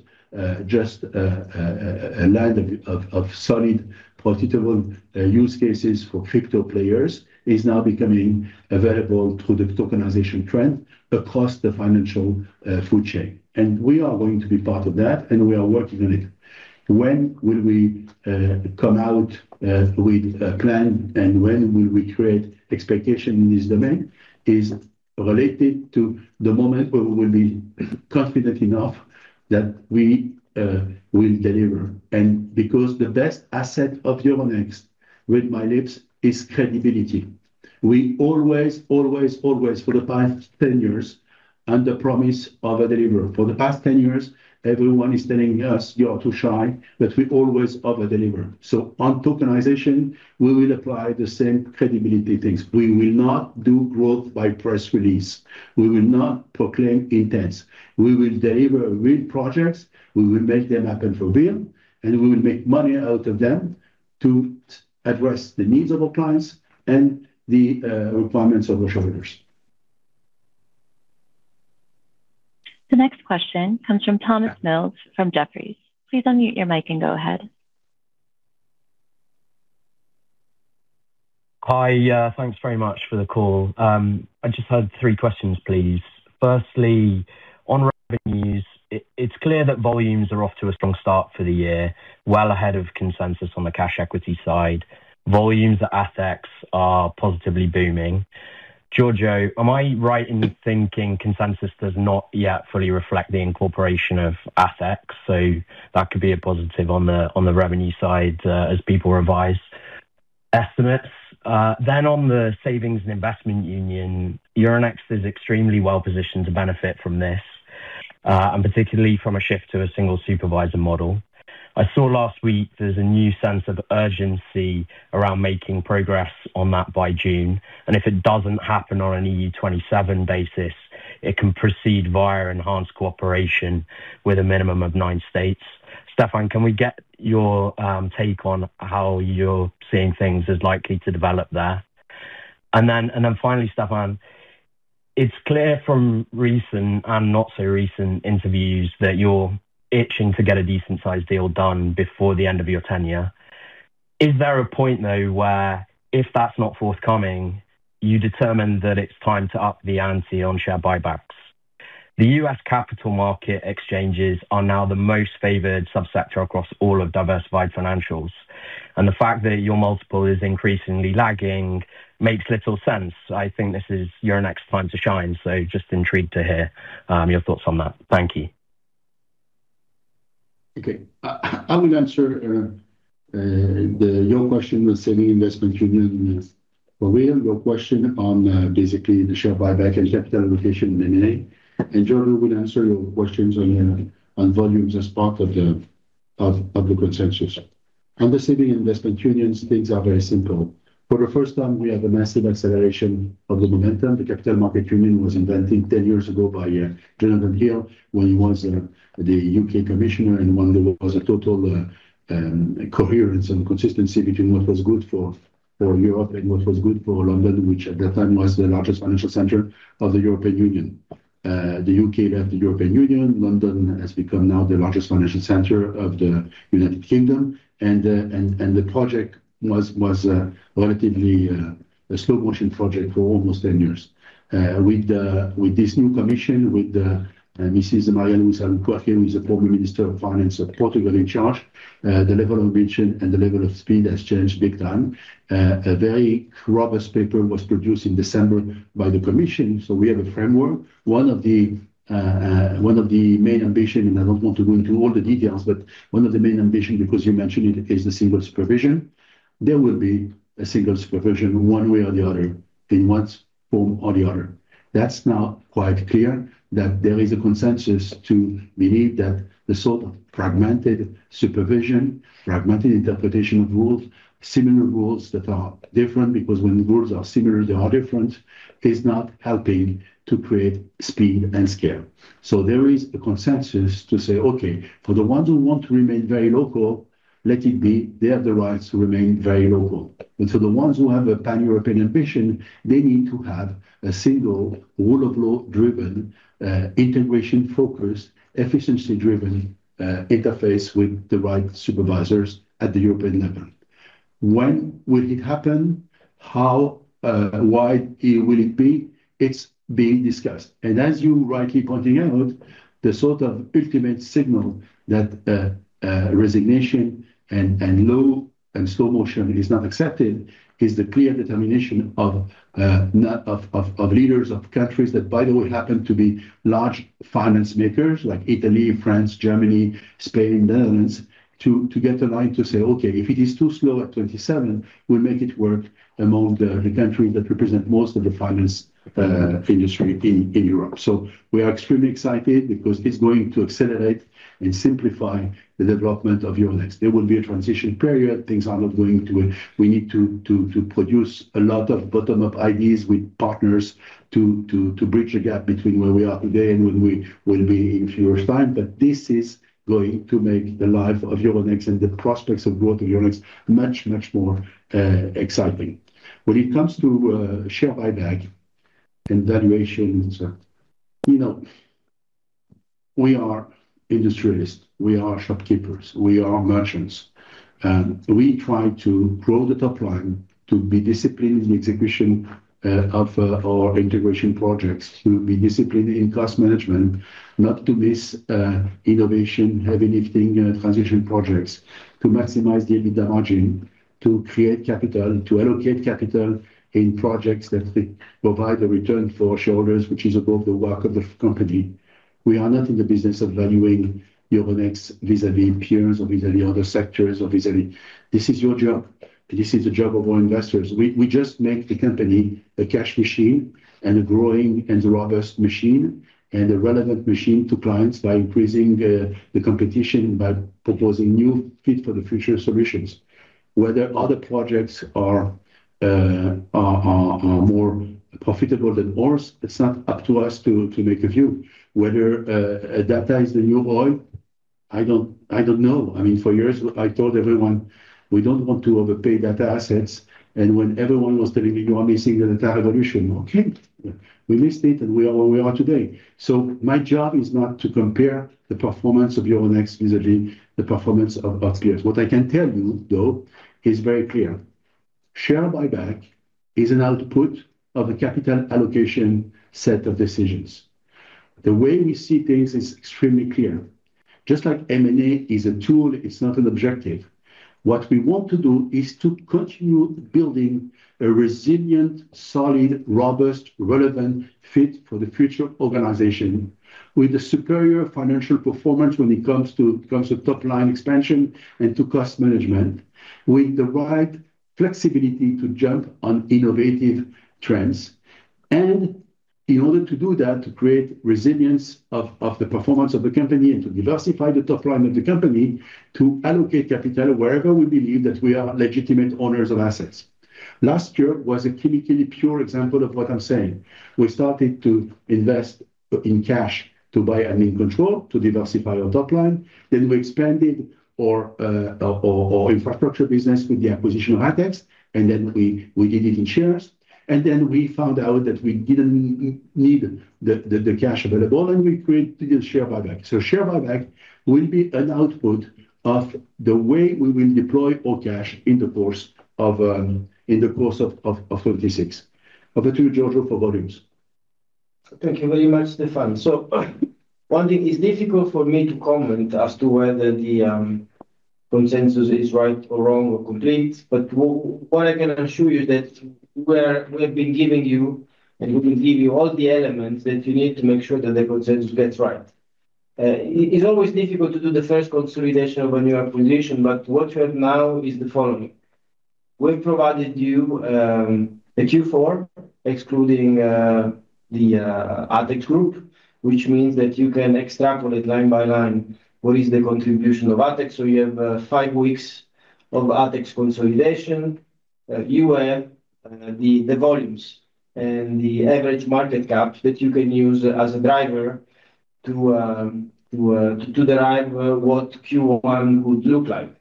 just a land of solid, profitable use cases for crypto players, is now becoming available through the tokenization trend across the financial food chain. And we are going to be part of that, and we are working on it. When will we come out with a plan, and when will we create expectation in this domain, is related to the moment where we'll be confident enough that we will deliver. And because the best asset of Euronext, with my lips, is credibility. We always, always, always, for the past 10 years, under promise, over deliver. For the past 10 years, everyone is telling us, "You are too shy," but we always over-deliver. So on tokenization, we will apply the same credibility things. We will not do growth by press release. We will not proclaim intents. We will deliver real projects, we will make them up and for real, and we will make money out of them to address the needs of our clients and the requirements of our shareholders. The next question comes from Thomas Mills, from Jefferies. Please unmute your mic and go ahead. Hi. Thanks very much for the call. I just had three questions, please. Firstly, on revenues, it's clear that volumes are off to a strong start for the year, well ahead of consensus on the cash equity side. Volumes at Asex are positively booming. Giorgio, am I right in thinking consensus does not yet fully reflect the incorporation of Asex? So that could be a positive on the revenue side, as people revise estimates. Then on the Savings and Investment Union, Euronext is extremely well-positioned to benefit from this, and particularly from a shift to a single supervisor model. I saw last week there's a new sense of urgency around making progress on that by June, and if it doesn't happen on an EU 27 basis, it can proceed via enhanced cooperation with a minimum of nine states. Stefan, can we get your take on how you're seeing things as likely to develop there? And then, and then finally, Stefan, it's clear from recent and not so recent interviews that you're itching to get a decent sized deal done before the end of your tenure. Is there a point, though, where if that's not forthcoming, you determine that it's time to up the ante on share buybacks?... The U.S. capital market exchanges are now the most favored sub-sector across all of diversified financials, and the fact that your multiple is increasingly lagging makes little sense. I think this is your next time to shine, so just intrigued to hear your thoughts on that. Thank you. Okay. I will answer your question on capital markets union. But we have your question on basically the share buyback and capital allocation in M&A, and Giorgio will answer your questions on volumes as part of the consensus. On the capital markets unions, things are very simple. For the first time, we have a massive acceleration of the momentum. The Capital Markets Union was invented ten years ago by Jonathan Hill, when he was the U.K. commissioner, and when there was a total coherence and consistency between what was good for Europe and what was good for London, which at that time was the largest financial center of the European Union. The U.K. left the European Union. London has become now the largest financial center of the United Kingdom, and the project was relatively a slow-motion project for almost 10 years. With this new commission, with the Mrs. Mariyanne Wiessan-Kochan, who is the former Minister of Finance of Portugal, in charge, the level of ambition and the level of speed has changed big time. A very robust paper was produced in December by the commission, so we have a framework. One of the main ambition, and I don't want to go into all the details, but one of the main ambition, because you mentioned it, is the single supervision. There will be a single supervision one way or the other, in one form or the other. That's now quite clear that there is a consensus to believe that the sort of fragmented supervision, fragmented interpretation of rules, similar rules that are different, because when the rules are similar, they are different, is not helping to create speed and scale. So there is a consensus to say, okay, for the ones who want to remain very local, let it be. They have the right to remain very local. And so the ones who have a Pan-European ambition, they need to have a single rule of law-driven, integration-focused, efficiency-driven, interface with the right supervisors at the European level. When will it happen? How wide will it be? It's being discussed. And as you rightly pointing out, the sort of ultimate signal that resignation and low and slow motion is not accepted is the clear determination of leaders of countries that, by the way, happen to be large finance makers like Italy, France, Germany, Spain, and the Netherlands, to get aligned, to say, "Okay, if it is too slow at 27, we'll make it work among the countries that represent most of the finance industry in Europe." So we are extremely excited because it's going to accelerate and simplify the development of Euronext. There will be a transition period. Things are not going to... We need to produce a lot of bottom-up ideas with partners to bridge the gap between where we are today and where we will be in fewer time. But this is going to make the life of Euronext and the prospects of growth of Euronext much, much more exciting. When it comes to share buyback and valuations, you know, we are industrialists, we are shopkeepers, we are merchants, and we try to grow the top line, to be disciplined in execution of our integration projects, to be disciplined in cost management, not to miss innovation, heavy lifting transition projects, to maximize the EBITDA margin, to create capital, to allocate capital in projects that provide a return for shareholders, which is above the work of the company. We are not in the business of valuing Euronext vis-a-vis peers or vis-a-vis other sectors, or vis-a-vis... This is your job. This is the job of our investors. We just make the company a cash machine and a growing and robust machine, and a relevant machine to clients by increasing the competition, by proposing new fit for the future solutions. Whether other projects are more profitable than ours, it's not up to us to make a view. Whether adapter is the new oil, I don't, I don't know. I mean, for years, I told everyone, we don't want to overpay data assets, and when everyone was telling me, "You are missing the data revolution." Okay, we missed it, and we are where we are today. So my job is not to compare the performance of Euronext vis-a-vis the performance of our peers. What I can tell you, though, is very clear. Share buyback is an output of a capital allocation set of decisions. The way we see things is extremely clear. Just like M&A is a tool, it's not an objective. What we want to do is to continue building a resilient, solid, robust, relevant fit for the future organization, with a superior financial performance when it comes to top-line expansion and to cost management, with the right flexibility to jump on innovative trends. In order to do that, to create resilience of the performance of the company and to diversify the top line of the company, to allocate capital wherever we believe that we are legitimate owners of assets. Last year was a clinically pure example of what I'm saying. We started to invest in cash to buy and in control, to diversify our top line. We expanded our infrastructure business with the acquisition of ATHEX, and then we did it in shares. Then we found out that we didn't need the cash available, and we created a share buyback. Share buyback will be an output of the way we will deploy all cash in the course of 2036. Over to you, Giorgio, for volumes.... Thank you very much, Stéphane. So one thing, it's difficult for me to comment as to whether the consensus is right or wrong or complete, but what I can assure you that we've been giving you, and we will give you all the elements that you need to make sure that the consensus gets right. It's always difficult to do the first consolidation of a new acquisition, but what you have now is the following: We've provided you a Q4, excluding the ATHEX Group, which means that you can extrapolate line by line what is the contribution of ATHEX. So you have five weeks of ATHEX consolidation. You have the volumes and the average market cap that you can use as a driver to derive what Q1 would look like.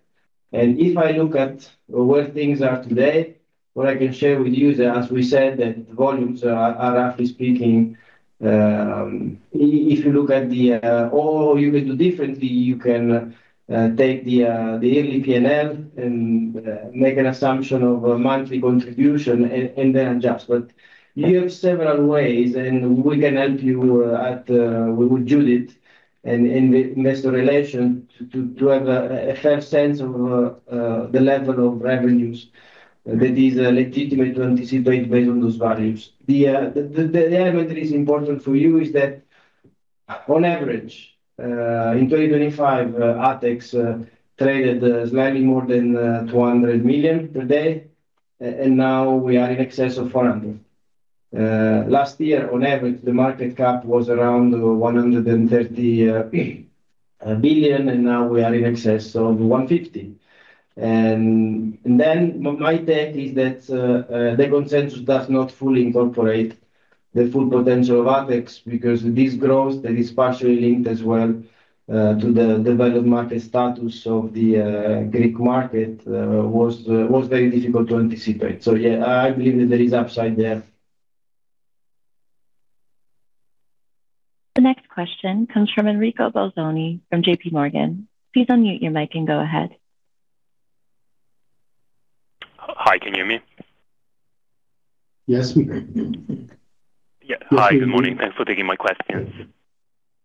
If I look at where things are today, what I can share with you, as we said, that the volumes are roughly speaking. If you look at the, or you can do differently, you can take the early PNL and make an assumption of a monthly contribution and then adjust. But you have several ways, and we can help you at with Judith and in Investor Relations to have a fair sense of the level of revenues that is legitimate to anticipate based on those values. The element that is important for you is that on average in 2025, ATHEX traded slightly more than 200 million per day, and now we are in excess of 400 million. Last year, on average, the market cap was around 130 billion, and now we are in excess of 150 billion. And then my take is that the consensus does not fully incorporate the full potential of ATHEX, because this growth that is partially linked as well to the developed market status of the Greek market was very difficult to anticipate. So, yeah, I believe that there is upside there. The next question comes from Enrico Bolzoni from J.P. Morgan. Please unmute your mic and go ahead. Hi, can you hear me? Yes, we can. Yeah. Hi, good morning. Thanks for taking my questions.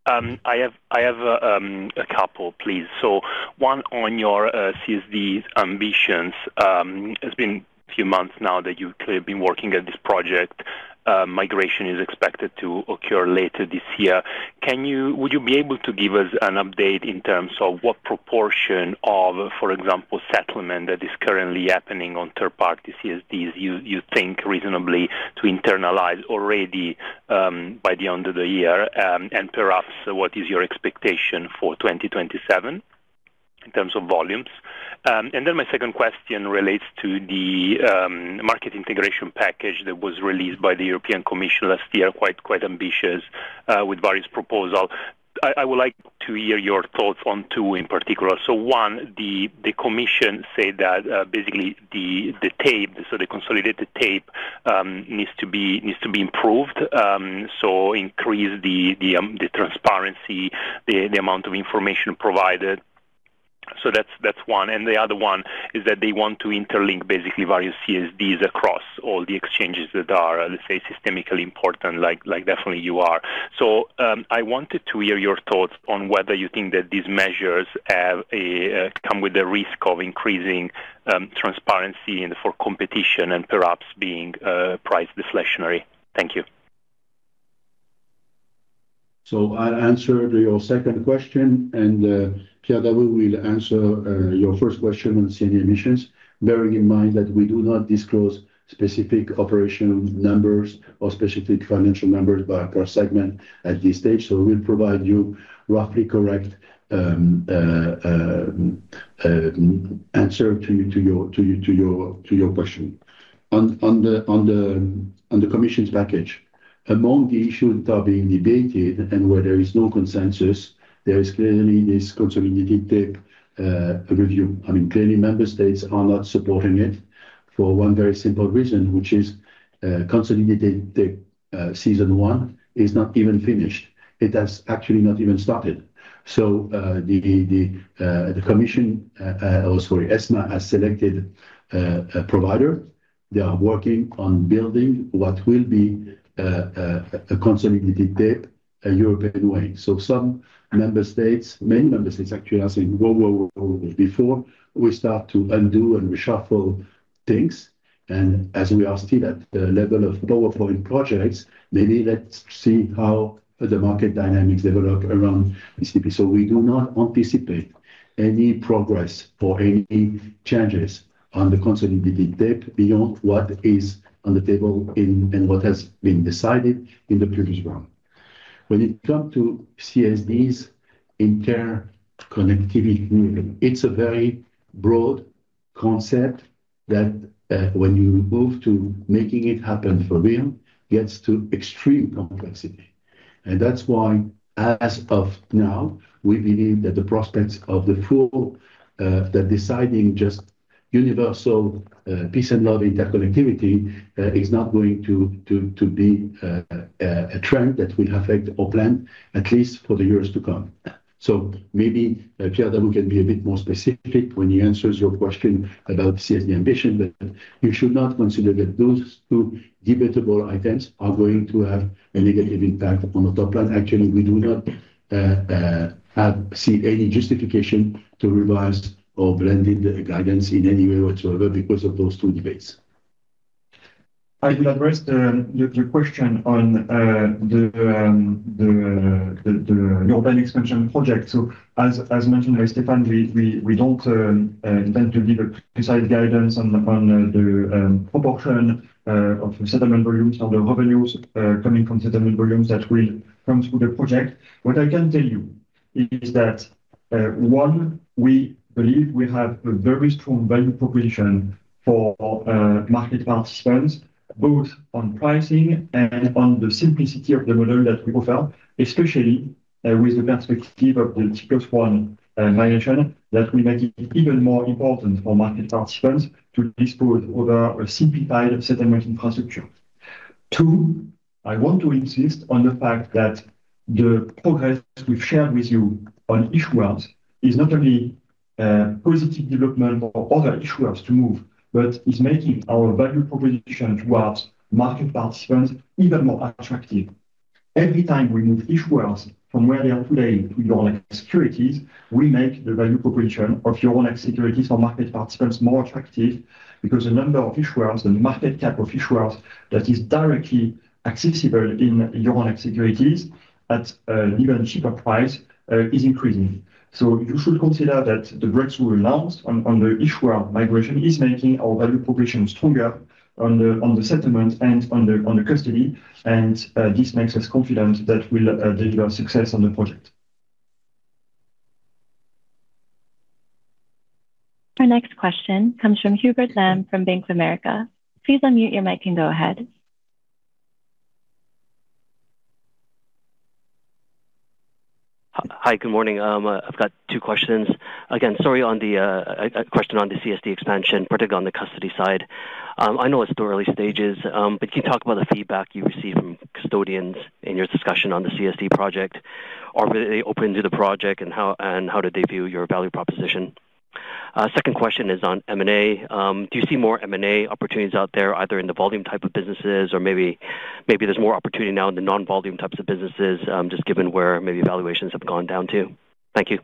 I have a couple, please. So one on your CSD's ambitions. It's been a few months now that you've clearly been working at this project. Migration is expected to occur later this year. Can you, would you be able to give us an update in terms of what proportion of, for example, settlement that is currently happening on third party CSDs, you think reasonably to internalize already, by the end of the year? And perhaps, what is your expectation for 2027 in terms of volumes? And then my second question relates to the market integration package that was released by the European Commission last year, quite ambitious, with various proposals. I would like to hear your thoughts on two in particular. So one, the Commission said that, basically the tape, so the consolidated tape, needs to be improved, so increase the transparency, the amount of information provided. So that's one, and the other one is that they want to interlink basically various CSDs across all the exchanges that are, let's say, systemically important, like, definitely you are. So, I wanted to hear your thoughts on whether you think that these measures have a come with the risk of increasing transparency and for competition and perhaps being price deflationary. Thank you. So I'll answer your second question, and Pierre Davoust will answer your first question on CSD ambitions, bearing in mind that we do not disclose specific operational numbers or specific financial numbers by per segment at this stage. So we'll provide you roughly correct answer to your question. On the Commission's package, among the issues that are being debated and where there is no consensus, there is clearly this consolidated tape review. I mean, clearly, member states are not supporting it for one very simple reason, which is, consolidated tape season one is not even finished. It has actually not even started. So, the Commission, oh, sorry, ESMA, has selected a provider. They are working on building what will be a consolidated tape, a European way. So some member states, many member states, actually, are saying, "Whoa, whoa, whoa, before we start to undo and reshuffle things, and as we are still at the level of PowerPoint projects, maybe let's see how the market dynamics develop around PCP." So we do not anticipate any progress or any changes on the consolidated tape beyond what is on the table and what has been decided in the previous round. When it comes to CSD's interconnectivity, it's a very broad concept that when you move to making it happen for real, gets to extreme complexity. And that's why, as of now, we believe that the prospects of the full, the deciding just universal, peace and love interconnectivity, is not going to be a trend that will affect our plan, at least for the years to come. So maybe Pierre Davoust can be a bit more specific when he answers your question about CSD ambition, but you should not consider that those two debatable items are going to have a negative impact on the top line. Actually, we do not see any justification to revise or blended guidance in any way whatsoever because of those two debates.... I will address your question on the CSD expansion project. So as mentioned by Stéphane, we don't intend to give a precise guidance on the proportion of settlement volumes or the revenues coming from settlement volumes that will come through the project. What I can tell you is that one, we believe we have a very strong value proposition for market participants, both on pricing and on the simplicity of the model that we offer, especially with the perspective of the T+1 migration that will make it even more important for market participants to dispose over a simplified settlement infrastructure. Two, I want to insist on the fact that the progress we've shared with you on issuers is not only positive development for other issuers to move, but is making our value proposition towards market participants even more attractive. Every time we move issuers from where they are today to Euronext Securities, we make the value proposition of Euronext Securities for market participants more attractive, because the number of issuers, the market cap of issuers, that is directly accessible in Euronext Securities at an even cheaper price is increasing. So you should consider that the breakthrough announced on the issuer migration is making our value proposition stronger on the settlement and on the custody, and this makes us confident that we'll deliver success on the project. Our next question comes from Hubert Lam from Bank of America. Please unmute your mic and go ahead. Hi, good morning. I've got two questions. Again, sorry, on the, a question on the CSD expansion, particularly on the custody side. I know it's the early stages, but can you talk about the feedback you received from custodians in your discussion on the CSD project? Are they open to the project, and how, and how did they view your value proposition? Second question is on M&A. Do you see more M&A opportunities out there, either in the volume type of businesses or maybe, maybe there's more opportunity now in the non-volume types of businesses, just given where maybe valuations have gone down to? Thank you.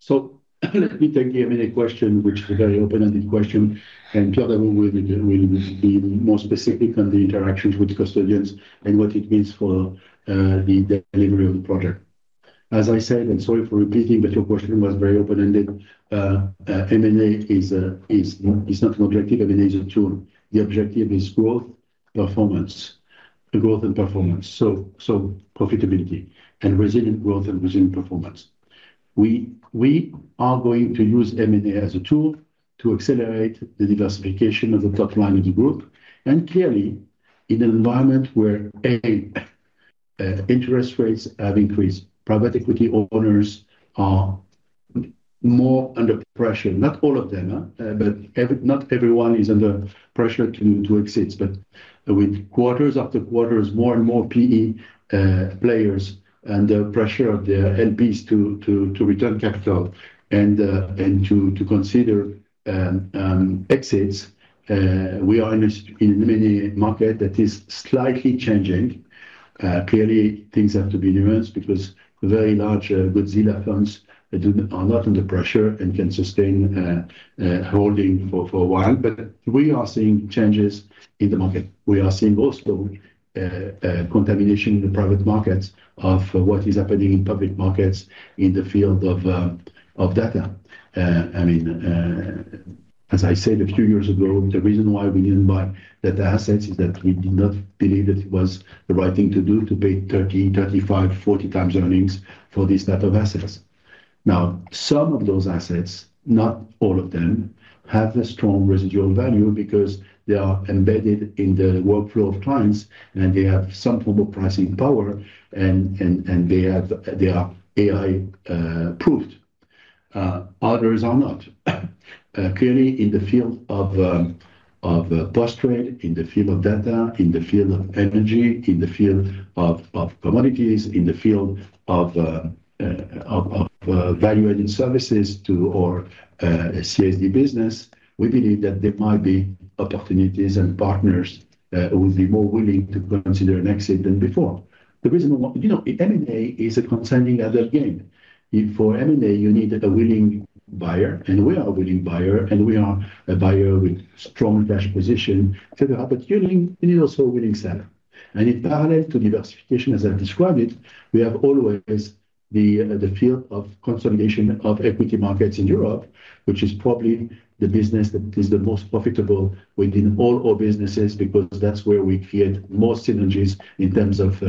So let me take the M&A question, which is a very open-ended question, and Pierre will be more specific on the interactions with custodians and what it means for the delivery of the project. As I said, and sorry for repeating, but your question was very open-ended. M&A is not an objective of an agent tool. The objective is growth, performance, the growth and performance, so profitability and resilient growth and resilient performance. We are going to use M&A as a tool to accelerate the diversification of the top line of the group, and clearly in an environment where interest rates have increased, private equity owners are more under pressure. Not all of them, huh? But not everyone is under pressure to exit, but with quarters after quarters, more and more PE players and the pressure of their LPs to return capital and to consider exits, we are in many market that is slightly changing. Clearly, things have to be nuanced because very large Godzilla funds are not under pressure and can sustain holding for a while. But we are seeing changes in the market. We are seeing also contamination in the private markets of what is happening in public markets in the field of data. I mean, as I said a few years ago, the reason why we didn't buy data assets is that we did not believe it was the right thing to do, to pay 13, 35, 40 times earnings for this type of assets. Now, some of those assets, not all of them, have a strong residual value because they are embedded in the workflow of clients, and they have some form of pricing power, and, and, and they have, they are AI approved, others are not. Clearly, in the field of post-trade, in the field of data, in the field of energy, in the field of commodities, in the field of value-added services to CSD business, we believe that there might be opportunities and partners who will be more willing to consider an exit than before. The reason why... You know, M&A is a concerning other game. If for M&A, you need a willing buyer, and we are a willing buyer, and we are a buyer with strong cash position to help, but you need also a willing seller. In parallel to diversification, as I've described it, we have always the, the field of consolidation of equity markets in Europe, which is probably the business that is the most profitable within all our businesses, because that's where we create more synergies in terms of,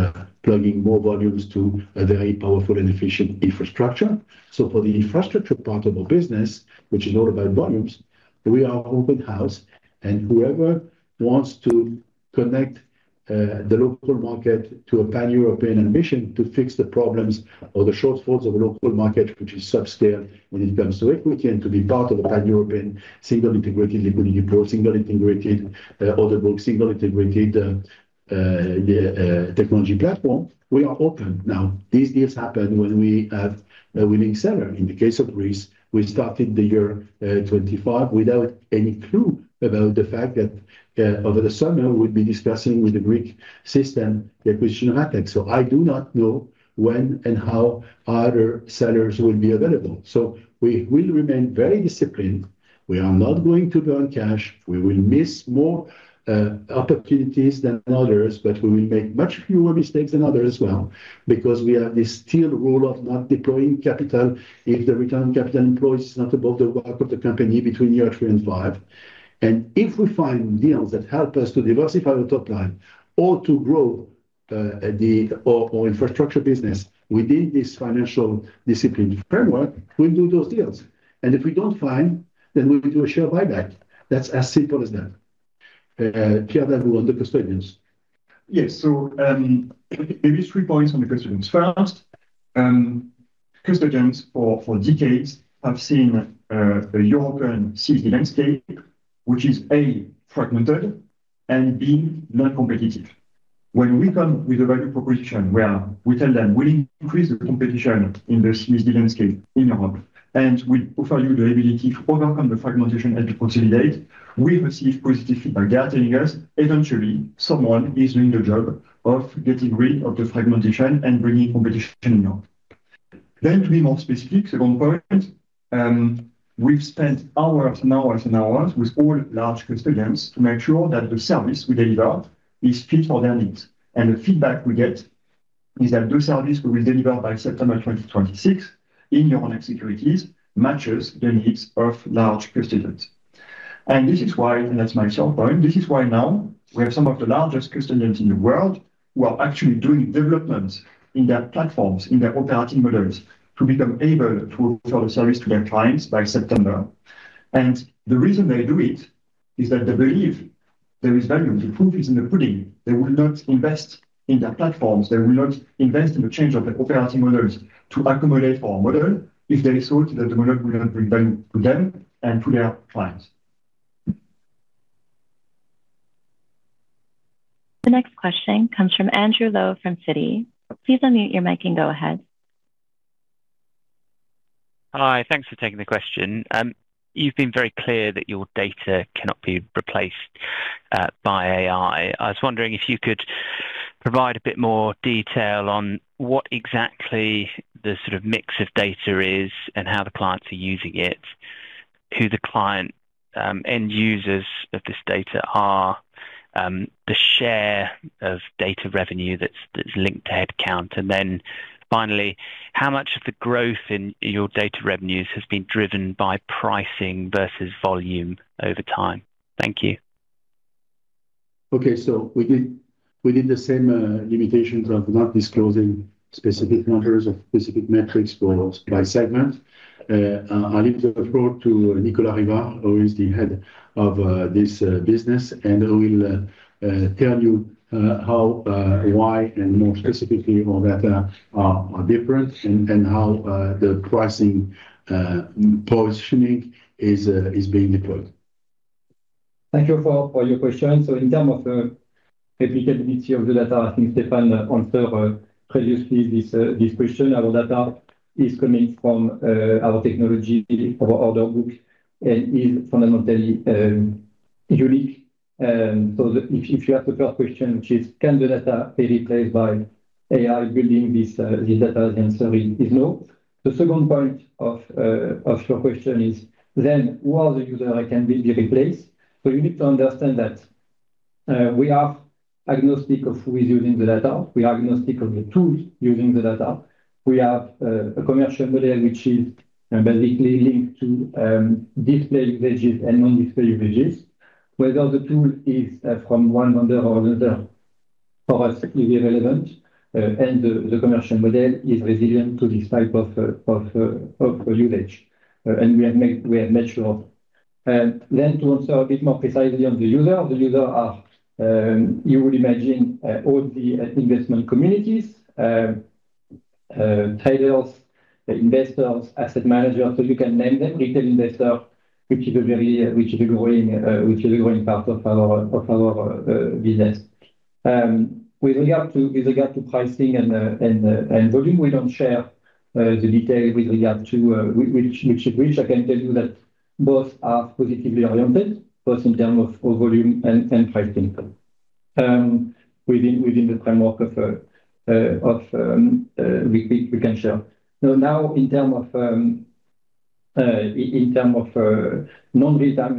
plugging more volumes to a very powerful and efficient infrastructure. So for the infrastructure part of our business, which is all about volumes, we are open house, and whoever wants to connect, the local market to a Pan-European ambition to fix the problems or the shortfalls of a local market, which is subscale when it comes to equity, and to be part of a Pan-European single integrated liquidity pool, single integrated, order book, single integrated, technology platform, we are open. Now, these deals happen when we have a winning seller. In the case of Greece, we started the year 2025 without any clue about the fact that over the summer, we'd be discussing with the Greek system the acquisition of ATHEX. So I do not know when and how other sellers will be available. So we will remain very disciplined. We are not going to burn cash. We will miss more opportunities than others, but we will make much fewer mistakes than others as well, because we have the strict rule of not deploying capital if the return on capital employed is not above the WACC of the company between year three and five. And if we find deals that help us to diversify our top line or to grow the infrastructure business within this financial discipline framework, we'll do those deals. And if we don't find, then we'll do a share buyback. That's as simple as that. Pierre, then we'll go on to custodians. Yes. So, maybe three points on the custodians. First, custodians for, for decades have seen, a European CSD landscape, which is, A, fragmented, and B, non-competitive. When we come with a value proposition where we tell them we increase the competition in this landscape in Europe, and we offer you the ability to overcome the fragmentation and to consolidate, we receive positive feedback. They are telling us, eventually, someone is doing the job of getting rid of the fragmentation and bringing competition in Europe. Then, to be more specific, second point, we've spent hours and hours, and hours with all large custodians to make sure that the service we deliver is fit for their needs. And the feedback we get is that those services we will deliver by September 2026 in Euronext Securities, matches the needs of large custodians. This is why, and that's my third point, this is why now we have some of the largest custodians in the world who are actually doing developments in their platforms, in their operating models, to become able to offer the service to their clients by September. And the reason they do it is that they believe there is value. The proof is in the pudding. They will not invest in their platforms, they will not invest in the change of the operating models to accommodate our model if they thought that the model will not bring value to them and to their clients. The next question comes from Andrew Lowe from Citi. Please unmute your mic and go ahead. Hi, thanks for taking the question. You've been very clear that your data cannot be replaced by AI. I was wondering if you could provide a bit more detail on what exactly the sort of mix of data is, and how the clients are using it, who the client end users of this data are, the share of data revenue that's linked to headcount. And then finally, how much of the growth in your data revenues has been driven by pricing versus volume over time? Thank you. Okay. So we did the same limitations of not disclosing specific numbers of specific metrics for by segment. I'll leave the floor to Nicolas Rivard, who is the head of this business, and who will tell you how, why, and more specifically, how data are different and how the pricing positioning is being deployed. Thank you for your question. So in terms of the replicability of the data, I think Stefan answered previously this question. Our data is coming from our technology, our order books, and is fundamentally unique. So if you ask the first question, which is, can the data be replaced by AI building this data? The answer is no. The second point of your question is, then who are the user that can be replaced? So you need to understand that we are agnostic of who is using the data. We are agnostic of the tools using the data. We have a commercial model, which is basically linked to display usages and non-display usages. Whether the tool is from one vendor or another, for us, is irrelevant, and the commercial model is resilient to this type of usage. We have made sure. Then to answer a bit more precisely on the user, the user are you would imagine all the investment communities traders, investors, asset managers, so you can name them, retail investor, which is a growing part of our business. With regard to pricing and volume, we don't share the detail with regard to which I can tell you that both are positively oriented, both in terms of volume and pricing. Within the framework of, we can share. So now, in terms of, in terms of... We are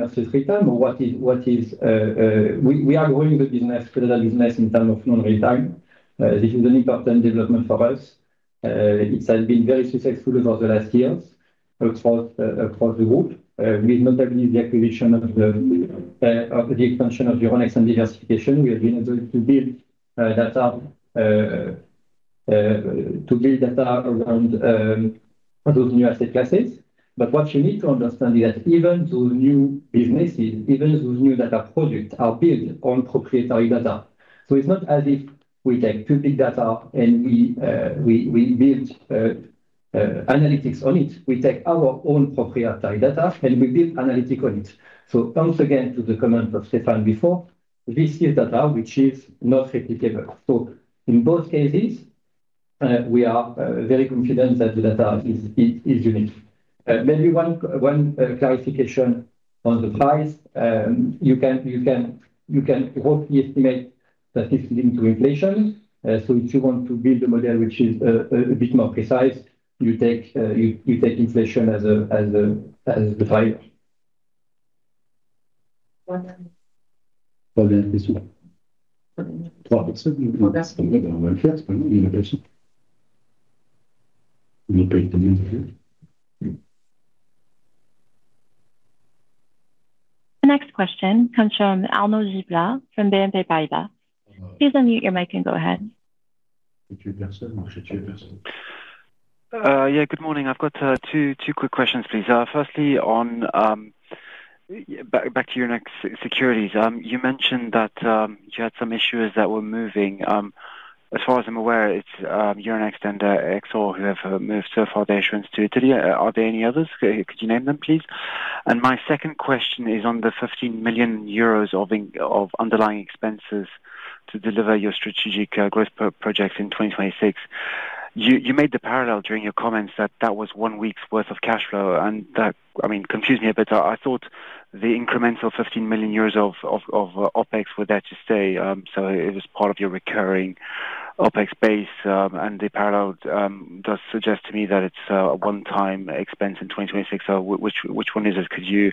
growing the business, clearing business in terms of non-real time. This is an important development for us. It has been very successful over the last years for the group. With notably the acquisition of the expansion of Euronext and diversification, we have been able to build data around those new asset classes. But what you need to understand is that even those new businesses, even those new data products, are built on proprietary data. So it's not as if we take public data and we build analytics on it. We take our own proprietary data, and we build analytics on it. So once again, to the comment of Stéphane before, this is data which is not replicable. So in both cases, we are very confident that the data is unique. Maybe one clarification on the price. You can roughly estimate that it's linked to inflation. So if you want to build a model which is a bit more precise, you take inflation as the price.... The next question comes from Arnold Gibla from BNP Paribas. Please unmute your mic and go ahead. Yeah, good morning. I've got two quick questions, please. Firstly, on back to Euronext Securities. You mentioned that you had some issuers that were moving. As far as I'm aware, it's Euronext and Exor who have moved so far their issuance to Italy. Are there any others? Could you name them, please? And my second question is on the 15 million euros of underlying expenses to deliver your strategic growth projects in 2026. You made the parallel during your comments that that was one week's worth of cash flow, and that, I mean, confused me a bit. I thought the incremental 15 million of OpEx were there to stay, so it was part of your recurring OpEx base. The parallel does suggest to me that it's a one-time expense in 2026. So which one is it? Could you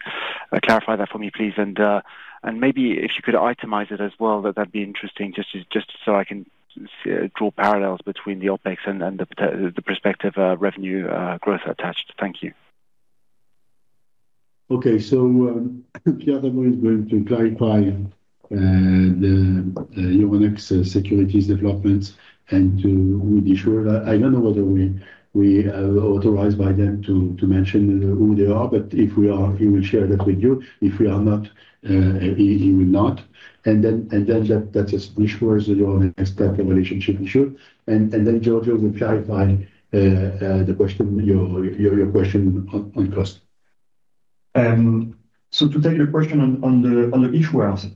clarify that for me, please? And maybe if you could itemize it as well, that'd be interesting. Just so I can draw parallels between the OpEx and the prospective revenue growth attached. Thank you. Okay. So, Pierre Davoust is going to clarify the Euronext Securities developments and to... With the issuer. I don't know whether we are authorized by them to mention who they are, but if we are, he will share that with you. If we are not, he will not. And then that issuers your next type of relationship issue, and then Giorgio will clarify the question, your question on cost. So to take your question on the issuers,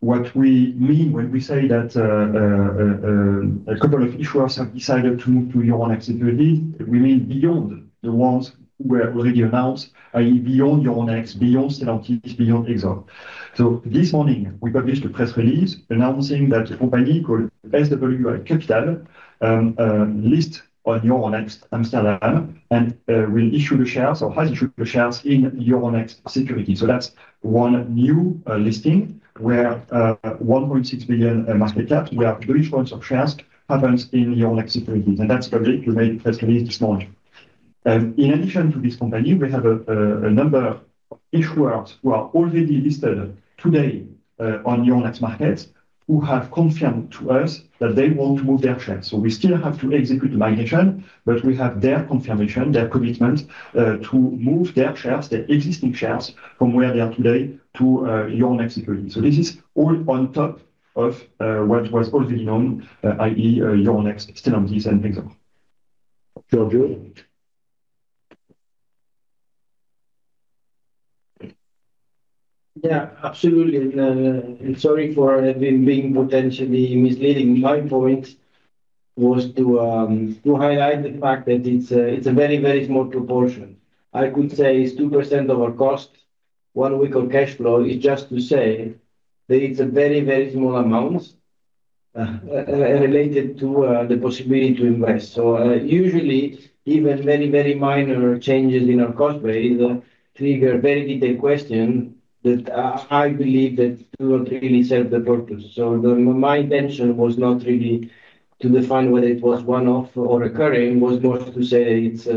what we mean when we say that a couple of issuers have decided to move to Euronext Securities, we mean beyond the ones we have already announced, i.e., beyond Euronext, beyond Stellantis, beyond Exor. So this morning, we published a press release announcing that a company called SWI Capital, listed on Euronext Amsterdam, and will issue the shares or has issued the shares in Euronext Securities. So that's one new listing, where 1.6 billion market cap, where the issuance of shares happens in Euronext Securities, and that's public. We made a press release this morning. In addition to this company, we have a number of issuers who are already listed today on Euronext markets, who have confirmed to us that they want to move their shares. So we still have to execute the migration, but we have their confirmation, their commitment to move their shares, their existing shares, from where they are today to Euronext Securities. So this is all on top of what was already known, i.e., Euronext, Stellantis, and Exor. Giorgio? Yeah, absolutely. And sorry for being, being potentially misleading. My point was to highlight the fact that it's a, it's a very, very small proportion. I could say it's 2% of our cost. One week of cash flow is just to say that it's a very, very small amount related to the possibility to invest. So, usually, even very, very minor changes in our cost base trigger very detailed question that I, I believe that do not really serve the purpose. So my intention was not really to define whether it was one-off or recurring, was more to say it's a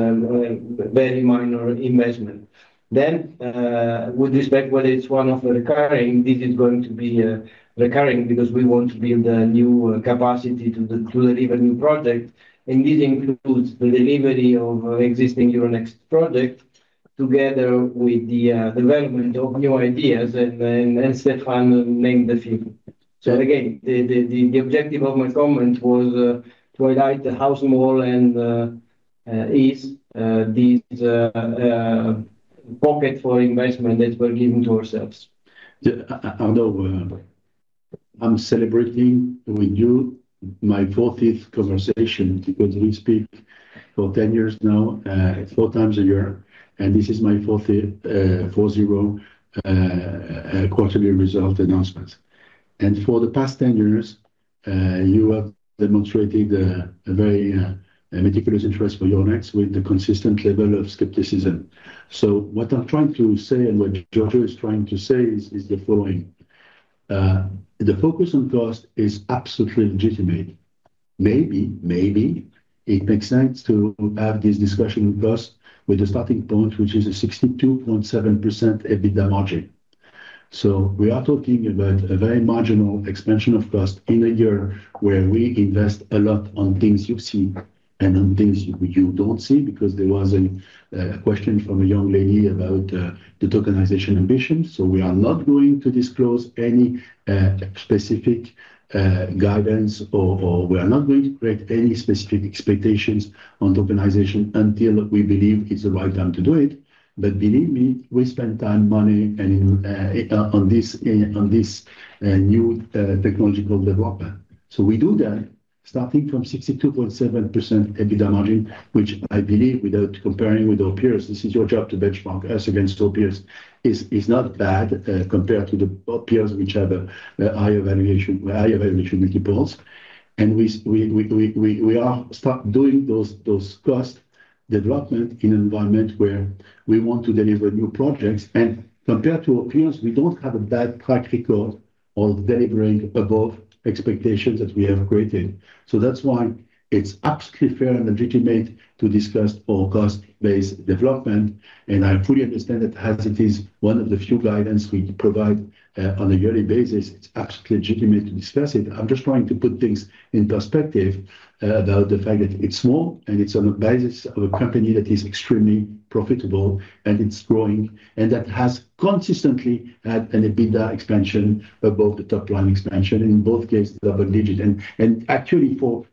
very minor investment. With respect, whether it's one-off or recurring, this is going to be recurring because we want to build a new capacity to deliver new project, and this includes the delivery of existing Euronext project, together with the development of new ideas, and Stéphane named a few. So again, the objective of my comment was to highlight how small this pocket for investment is that we're giving to ourselves. Yeah, Arnold, I'm celebrating with you my 40th conversation because we speak for 10 years now, four times a year, and this is my 40th, 40, quarterly result announcement. For the past 10 years, you have demonstrated a very meticulous interest for Euronext with the consistent level of skepticism. So what I'm trying to say, and what Giorgio is trying to say is the following: the focus on cost is absolutely legitimate. Maybe it makes sense to have this discussion with us, with a starting point, which is a 62.7% EBITDA margin. So we are talking about a very marginal expansion of cost in a year where we invest a lot on things you see and on things you don't see, because there was a question from a young lady about the tokenization ambition. So we are not going to disclose any specific guidance or we are not going to create any specific expectations on tokenization until we believe it's the right time to do it. But believe me, we spend time, money, and on this new technological development. So we do that starting from 62.7% EBITDA margin, which I believe, without comparing with our peers, this is your job, to benchmark us against our peers, is not bad, compared to the peers which have a higher valuation, higher valuation multiples. We are start doing those cost development in an environment where we want to deliver new projects. Compared to our peers, we don't have a bad track record or delivering above expectations that we have created. So that's why it's absolutely fair and legitimate to discuss our cost-based development, and I fully understand that as it is one of the few guidance we provide on a yearly basis, it's absolutely legitimate to discuss it. I'm just trying to put things in perspective about the fact that it's small, and it's on the basis of a company that is extremely profitable, and it's growing, and that has consistently had an EBITDA expansion above the top line expansion, in both cases, double digit. Actually, for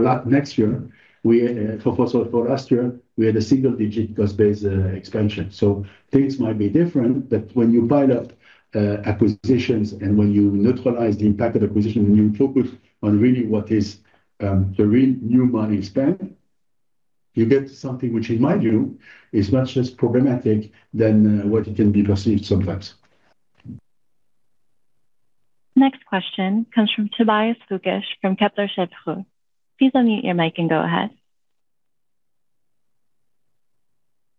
last next year, we—for last year, we had a single-digit cost base expansion. So things might be different, but when you build up acquisitions and when you neutralize the impact of acquisition, and you focus on really what is the real new money spent, you get something which, in my view, is much less problematic than what it can be perceived sometimes. Next question comes from Tobias Lukesch from Kepler Cheuvreux. Please unmute your mic and go ahead.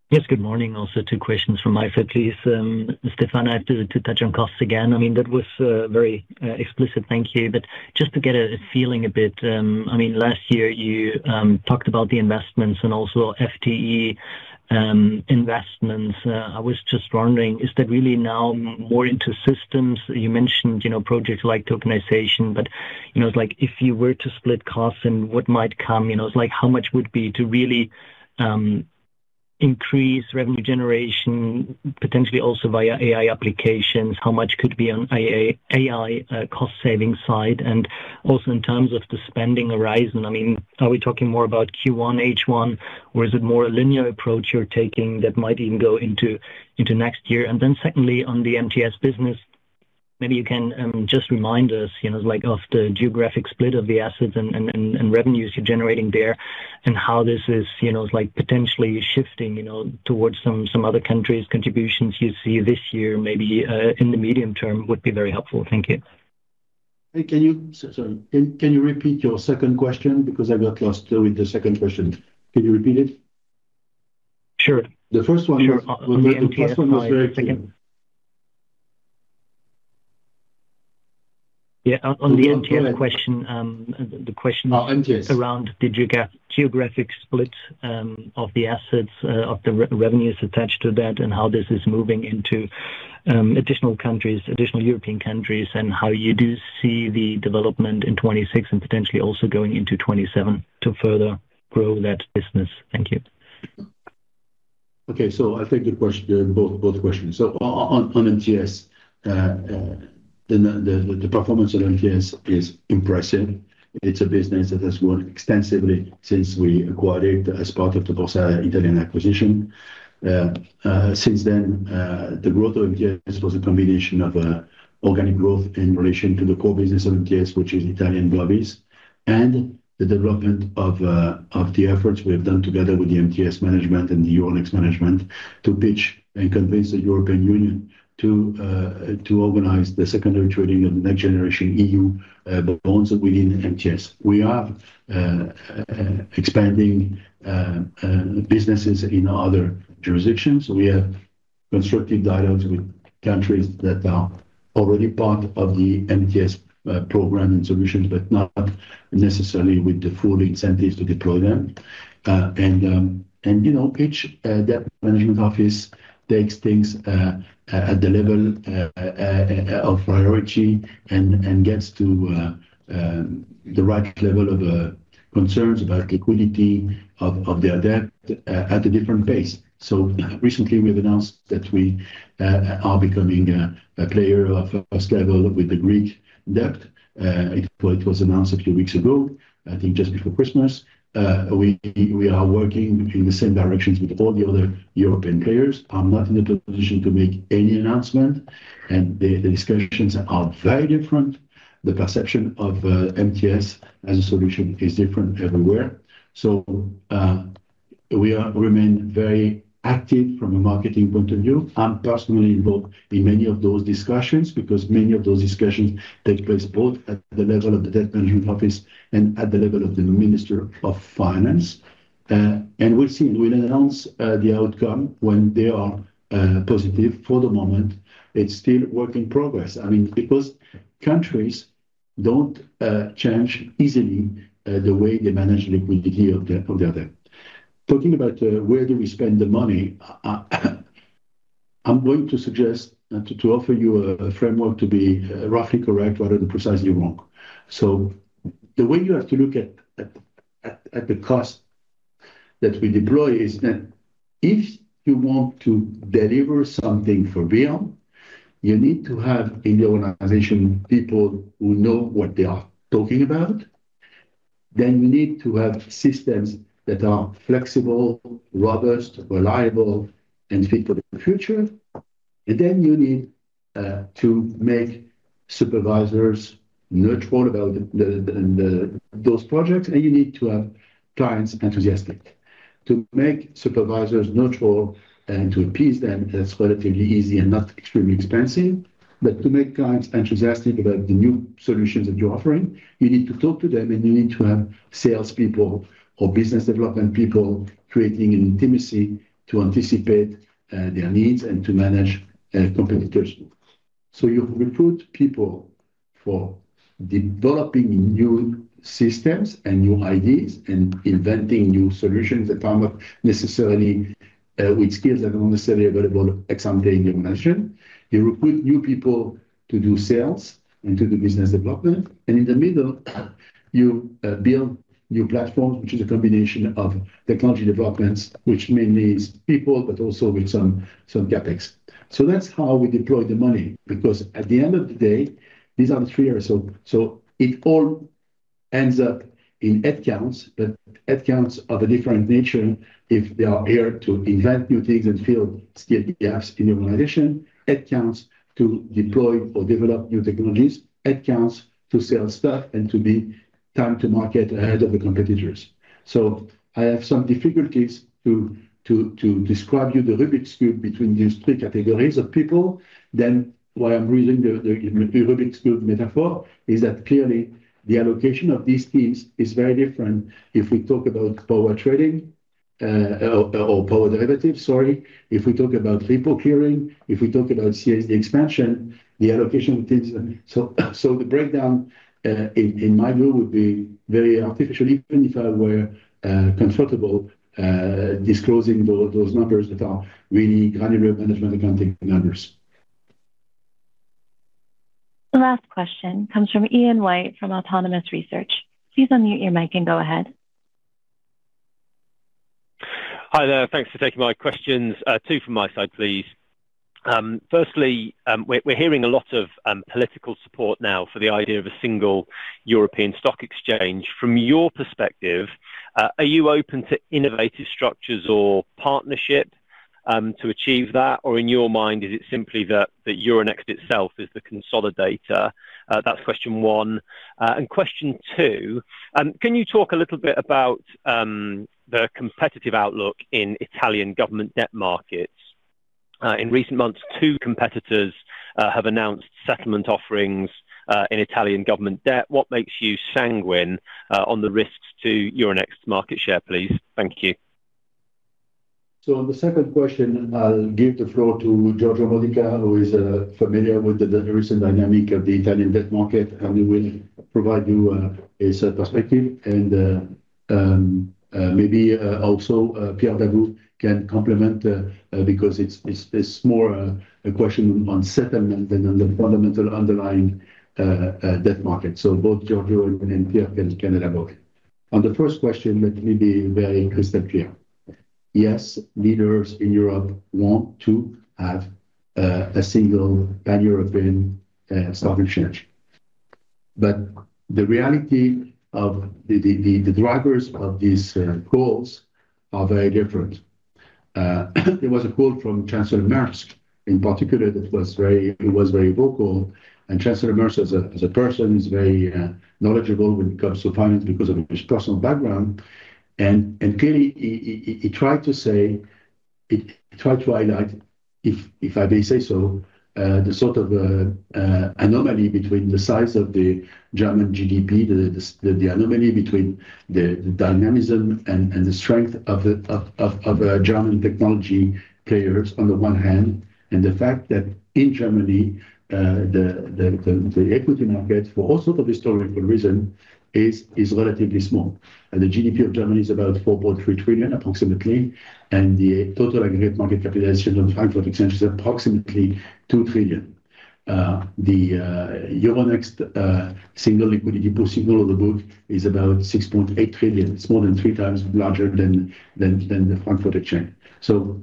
Yes, good morning. Also, two questions from my side, please. Stéphane, I have to touch on costs again. I mean, that was very explicit. Thank you. But just to get a feeling a bit, I mean, last year you talked about the investments and also FTE investments. I was just wondering, is that really now more into systems? You mentioned, you know, projects like tokenization, but, you know, it's like if you were to split costs and what might come, you know, it's like, how much would be to really increase revenue generation, potentially also via AI applications, how much could be on AA, AI, cost saving side? Also in terms of the spending horizon, I mean, are we talking more about Q1, H1, or is it more a linear approach you're taking that might even go into next year? Then secondly, on the MTS business, maybe you can just remind us, you know, like of the geographic split of the assets and revenues you're generating there, and how this is, you know, like potentially shifting towards some other countries' contributions you see this year, maybe in the medium term, would be very helpful. Thank you. Hey, can you? Sorry, can you repeat your second question? Because I got lost with the second question. Can you repeat it? Sure. The first one- Sure. The first one was very clear. Yeah. On the MTS question, the question- Oh, MTS... around the geographic split of the assets of the revenues attached to that, and how this is moving into additional countries, additional European countries, and how you do see the development in 2026 and potentially also going into 2027 to further grow that business. Thank you. Okay. So I think the question, both, both questions. So on MTS, the performance on MTS is impressive. It's a business that has grown extensively since we acquired it as part of the Borsa Italiana acquisition. Since then, the growth of MTS was a combination of organic growth in relation to the core business of MTS, which is Italian govvies, and the development of the efforts we have done together with the MTS management and the Euronext management to pitch and convince the European Union to organize the secondary trading of the next generation EU bonds within MTS. We are expanding businesses in other jurisdictions. We have constructive dialogues with countries that are already part of the MTS program and solutions, but not necessarily with the full incentives to deploy them. You know, each debt management office takes things at the level of priority and gets to the right level of concerns about liquidity of their debt at a different pace. So recently, we've announced that we are becoming a player of first level with the Greek debt. It was announced a few weeks ago, I think, just before Christmas. We are working in the same directions with all the other European players. I'm not in a good position to make any announcement, and the discussions are very different. The perception of MTS as a solution is different everywhere. We remain very active from a marketing point of view. I'm personally involved in many of those discussions because many of those discussions take place both at the level of the debt management office and at the level of the Minister of Finance. We'll see. We'll announce the outcome when they are positive. For the moment, it's still work in progress. I mean, because countries don't change easily the way they manage liquidity of their, of their debt. Talking about where do we spend the money, I'm going to suggest, and to, to offer you a framework to be roughly correct rather than precisely wrong. So the way you have to look at the cost that we deploy is that if you want to deliver something for beyond, you need to have in the organization people who know what they are talking about, then you need to have systems that are flexible, robust, reliable, and fit for the future. And then you need to make supervisors neutral about those projects, and you need to have clients enthusiastic. To make supervisors neutral and to appease them, that's relatively easy and not extremely expensive, but to make clients enthusiastic about the new solutions that you're offering, you need to talk to them, and you need to have salespeople or business development people creating an intimacy to anticipate their needs and to manage competition. So you recruit people for developing new systems and new ideas and inventing new solutions that are not necessarily with skills that are not necessarily available ex ante in the organization. You recruit new people to do sales and to do business development, and in the middle, you build new platforms, which is a combination of technology developments, which mainly is people, but also with some CapEx. So that's how we deploy the money, because at the end of the day, these are three years. So it all ends up in headcounts, but headcounts are a different nature if they are here to invent new things and fill skill gaps in the organization, headcounts to deploy or develop new technologies, headcounts to sell stuff and to be time to market ahead of the competitors. So I have some difficulties to describe you the Rubik's Cube between these three categories of people. Then why I'm reading the Rubik's Cube metaphor is that clearly the allocation of these teams is very different. If we talk about power trading, or power derivatives, sorry, if we talk about repo clearing, if we talk about CSD expansion, the allocation of teams. So the breakdown, in my view, would be very artificial, even if I were comfortable disclosing those numbers that are really granular management accounting numbers. The last question comes from Ian White, from Autonomous Research. Please unmute your mic and go ahead. Hi there. Thanks for taking my questions, two from my side, please. Firstly, we're hearing a lot of political support now for the idea of a single European stock exchange. From your perspective, are you open to innovative structures or partnership to achieve that? Or in your mind, is it simply that Euronext itself is the consolidator? That's question one. And question two, can you talk a little bit about the competitive outlook in Italian government debt markets? In recent months, two competitors have announced settlement offerings in Italian government debt. What makes you sanguine on the risks to Euronext market share, please? Thank you. So on the second question, I'll give the floor to Giorgio Modica, who is familiar with the recent dynamic of the Italian debt market, and he will provide you his perspective and maybe also Pierre Daboût can complement because it's more a question on settlement than on the fundamental underlying debt market. So both Giorgio and Pierre can elaborate. On the first question, let me be very crystal clear. Yes, leaders in Europe want to have a single Pan-European stock exchange, but the reality of the drivers of these goals are very different. There was a quote from Chancellor Merkel, in particular, that was very—he was very vocal, and Chancellor Merkel, as a person, is very knowledgeable when it comes to finance because of his personal background. Clearly, he tried to say. He tried to highlight, if I may say so, the sort of anomaly between the size of the German GDP, the anomaly between the dynamism and the strength of the German technology players on the one hand, and the fact that in Germany, the equity market, for all sort of historical reason, is relatively small. The GDP of Germany is about 4.3 trillion, approximately, and the total aggregate market capitalization on the Frankfurt Exchange is approximately 2 trillion. The Euronext single liquidity pool, single order book, is about 6.8 trillion. It's more than 3 times larger than the Frankfurt exchange. So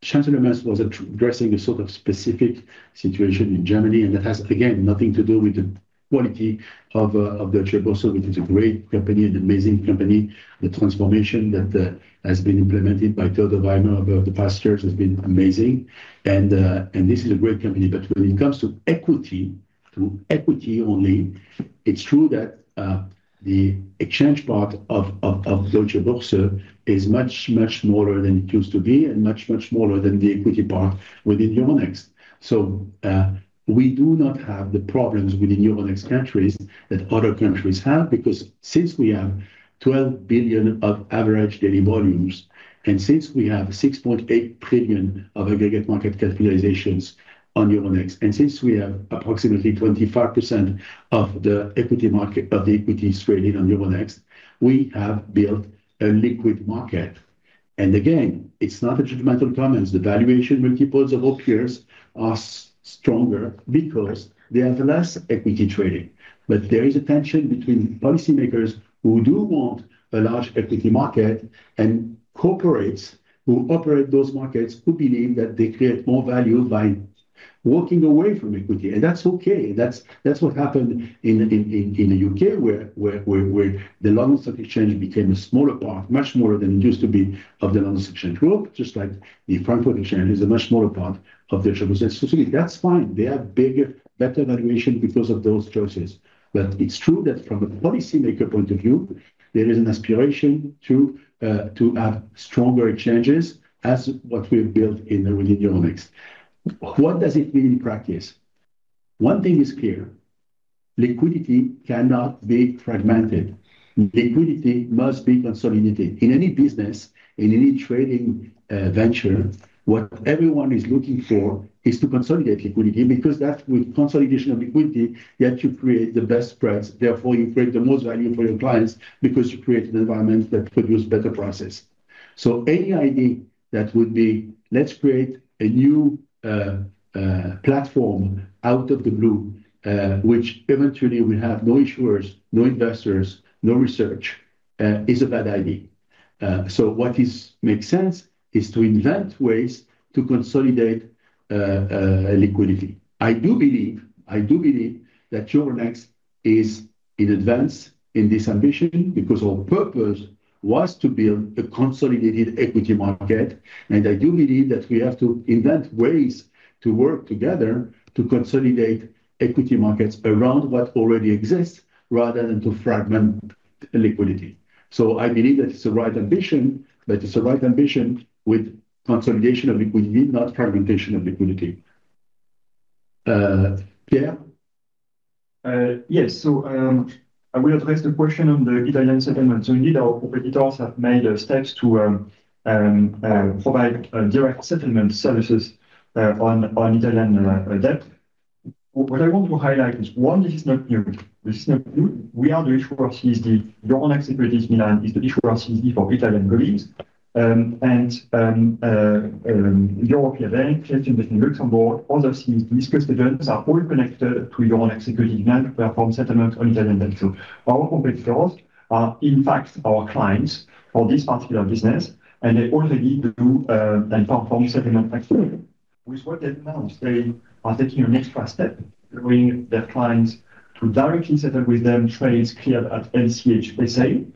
Chancellor Merkel was addressing a sort of specific situation in Germany, and that has, again, nothing to do with the quality of the Deutsche Börse, which is a great company, an amazing company. The transformation that has been implemented by Theo Weimer over the past years has been amazing. And this is a great company. But when it comes to equity, to equity only, it's true that the exchange part of Deutsche Börse is much, much smaller than it used to be, and much, much smaller than the equity part within Euronext. We do not have the problems within Euronext countries that other countries have, because since we have 12 billion of average daily volumes, and since we have 6.8 trillion of aggregate market capitalizations on Euronext, and since we have approximately 25% of the equity market of the equities traded on Euronext, we have built a liquid market. Again, it's not a judgmental comment. The valuation multiples of our peers are stronger because they have less equity trading. But there is a tension between policymakers who do want a large equity market, and corporates who operate those markets, who believe that they create more value by walking away from equity. That's okay. That's what happened in the U.K., where the London Stock Exchange became a smaller part, much more than it used to be, of the London Stock Exchange Group, just like the Frankfurt Exchange is a much smaller part of Deutsche Börse. So that's fine. They have bigger, better valuation because of those choices. But it's true that from a policymaker point of view, there is an aspiration to have stronger exchanges as what we've built within Euronext. What does it mean in practice? One thing is clear... liquidity cannot be fragmented. Liquidity must be consolidated. In any business, in any trading, venture, what everyone is looking for is to consolidate liquidity, because that with consolidation of liquidity, you have to create the best spreads, therefore, you create the most value for your clients because you create an environment that produce better prices. So any idea that would be, let's create a new, platform out of the blue, which eventually will have no issuers, no investors, no research, is a bad idea. So what is makes sense is to invent ways to consolidate, liquidity. I do believe, I do believe that Euronext is in advance in this ambition because our purpose was to build a consolidated equity market, and I do believe that we have to invent ways to work together to consolidate equity markets around what already exists, rather than to fragment liquidity. So I believe that it's the right ambition, but it's the right ambition with consolidation of liquidity, not fragmentation of liquidity, Pierre? Yes. So, I will address the question on the Italian settlement. So indeed, our operators have made steps to provide direct settlement services on Italian debt. What I want to highlight is, one, this is not new. This is not new. We are the issuer CSD. Euronext Securities Milan is the issuer CSD for Italian collateral. And, Euroclear Bank in Luxembourg, all those CSDs custodians are all connected to Euronext Securities Milan, perform settlement on Italian debt. So our competitors are, in fact, our clients for this particular business, and they already do and perform settlement activity. With what they've announced, they are taking an extra step, bringing their clients to directly settle with them, trades cleared at NCHSA.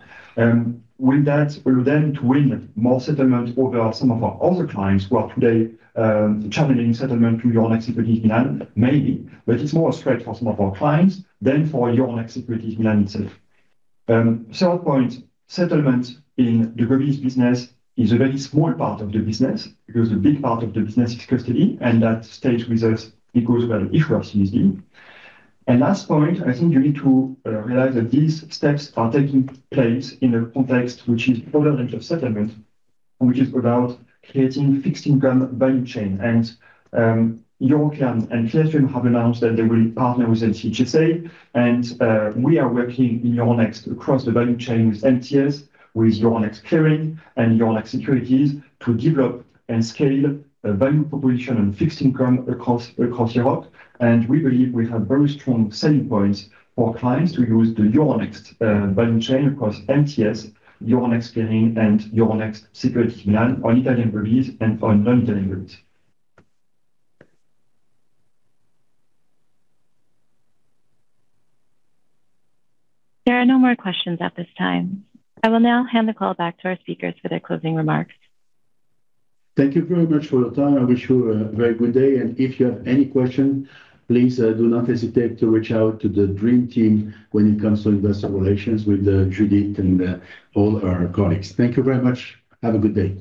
With that, we would then to win more settlement over some of our other clients who are today channeling settlement to Euronext Securities Milan, maybe. But it's more straight for some of our clients than for Euronext Securities Milan itself. Third point, settlement in the business is a very small part of the business, because a big part of the business is custody, and that stays with us because we're the issuer CSD. And last point, I think you need to realize that these steps are taking place in a context which is other range of settlement, which is about creating fixed income value chain. European and Clearstream have announced that they will partner with NCHSA, and we are working in Euronext across the value chain with MTS, with Euronext Clearing, and Euronext Securities to develop and scale a value proposition on fixed income across Europe. And we believe we have very strong selling points for clients to use the Euronext value chain across MTS, Euronext Clearing, and Euronext Securities Milan on Italian release and on non-Italian groups. There are no more questions at this time. I will now hand the call back to our speakers for their closing remarks. Thank you very much for your time. I wish you a very good day, and if you have any question, please, do not hesitate to reach out to the dream team when it comes to investor relations with, Judith and, all our colleagues. Thank you very much. Have a good day.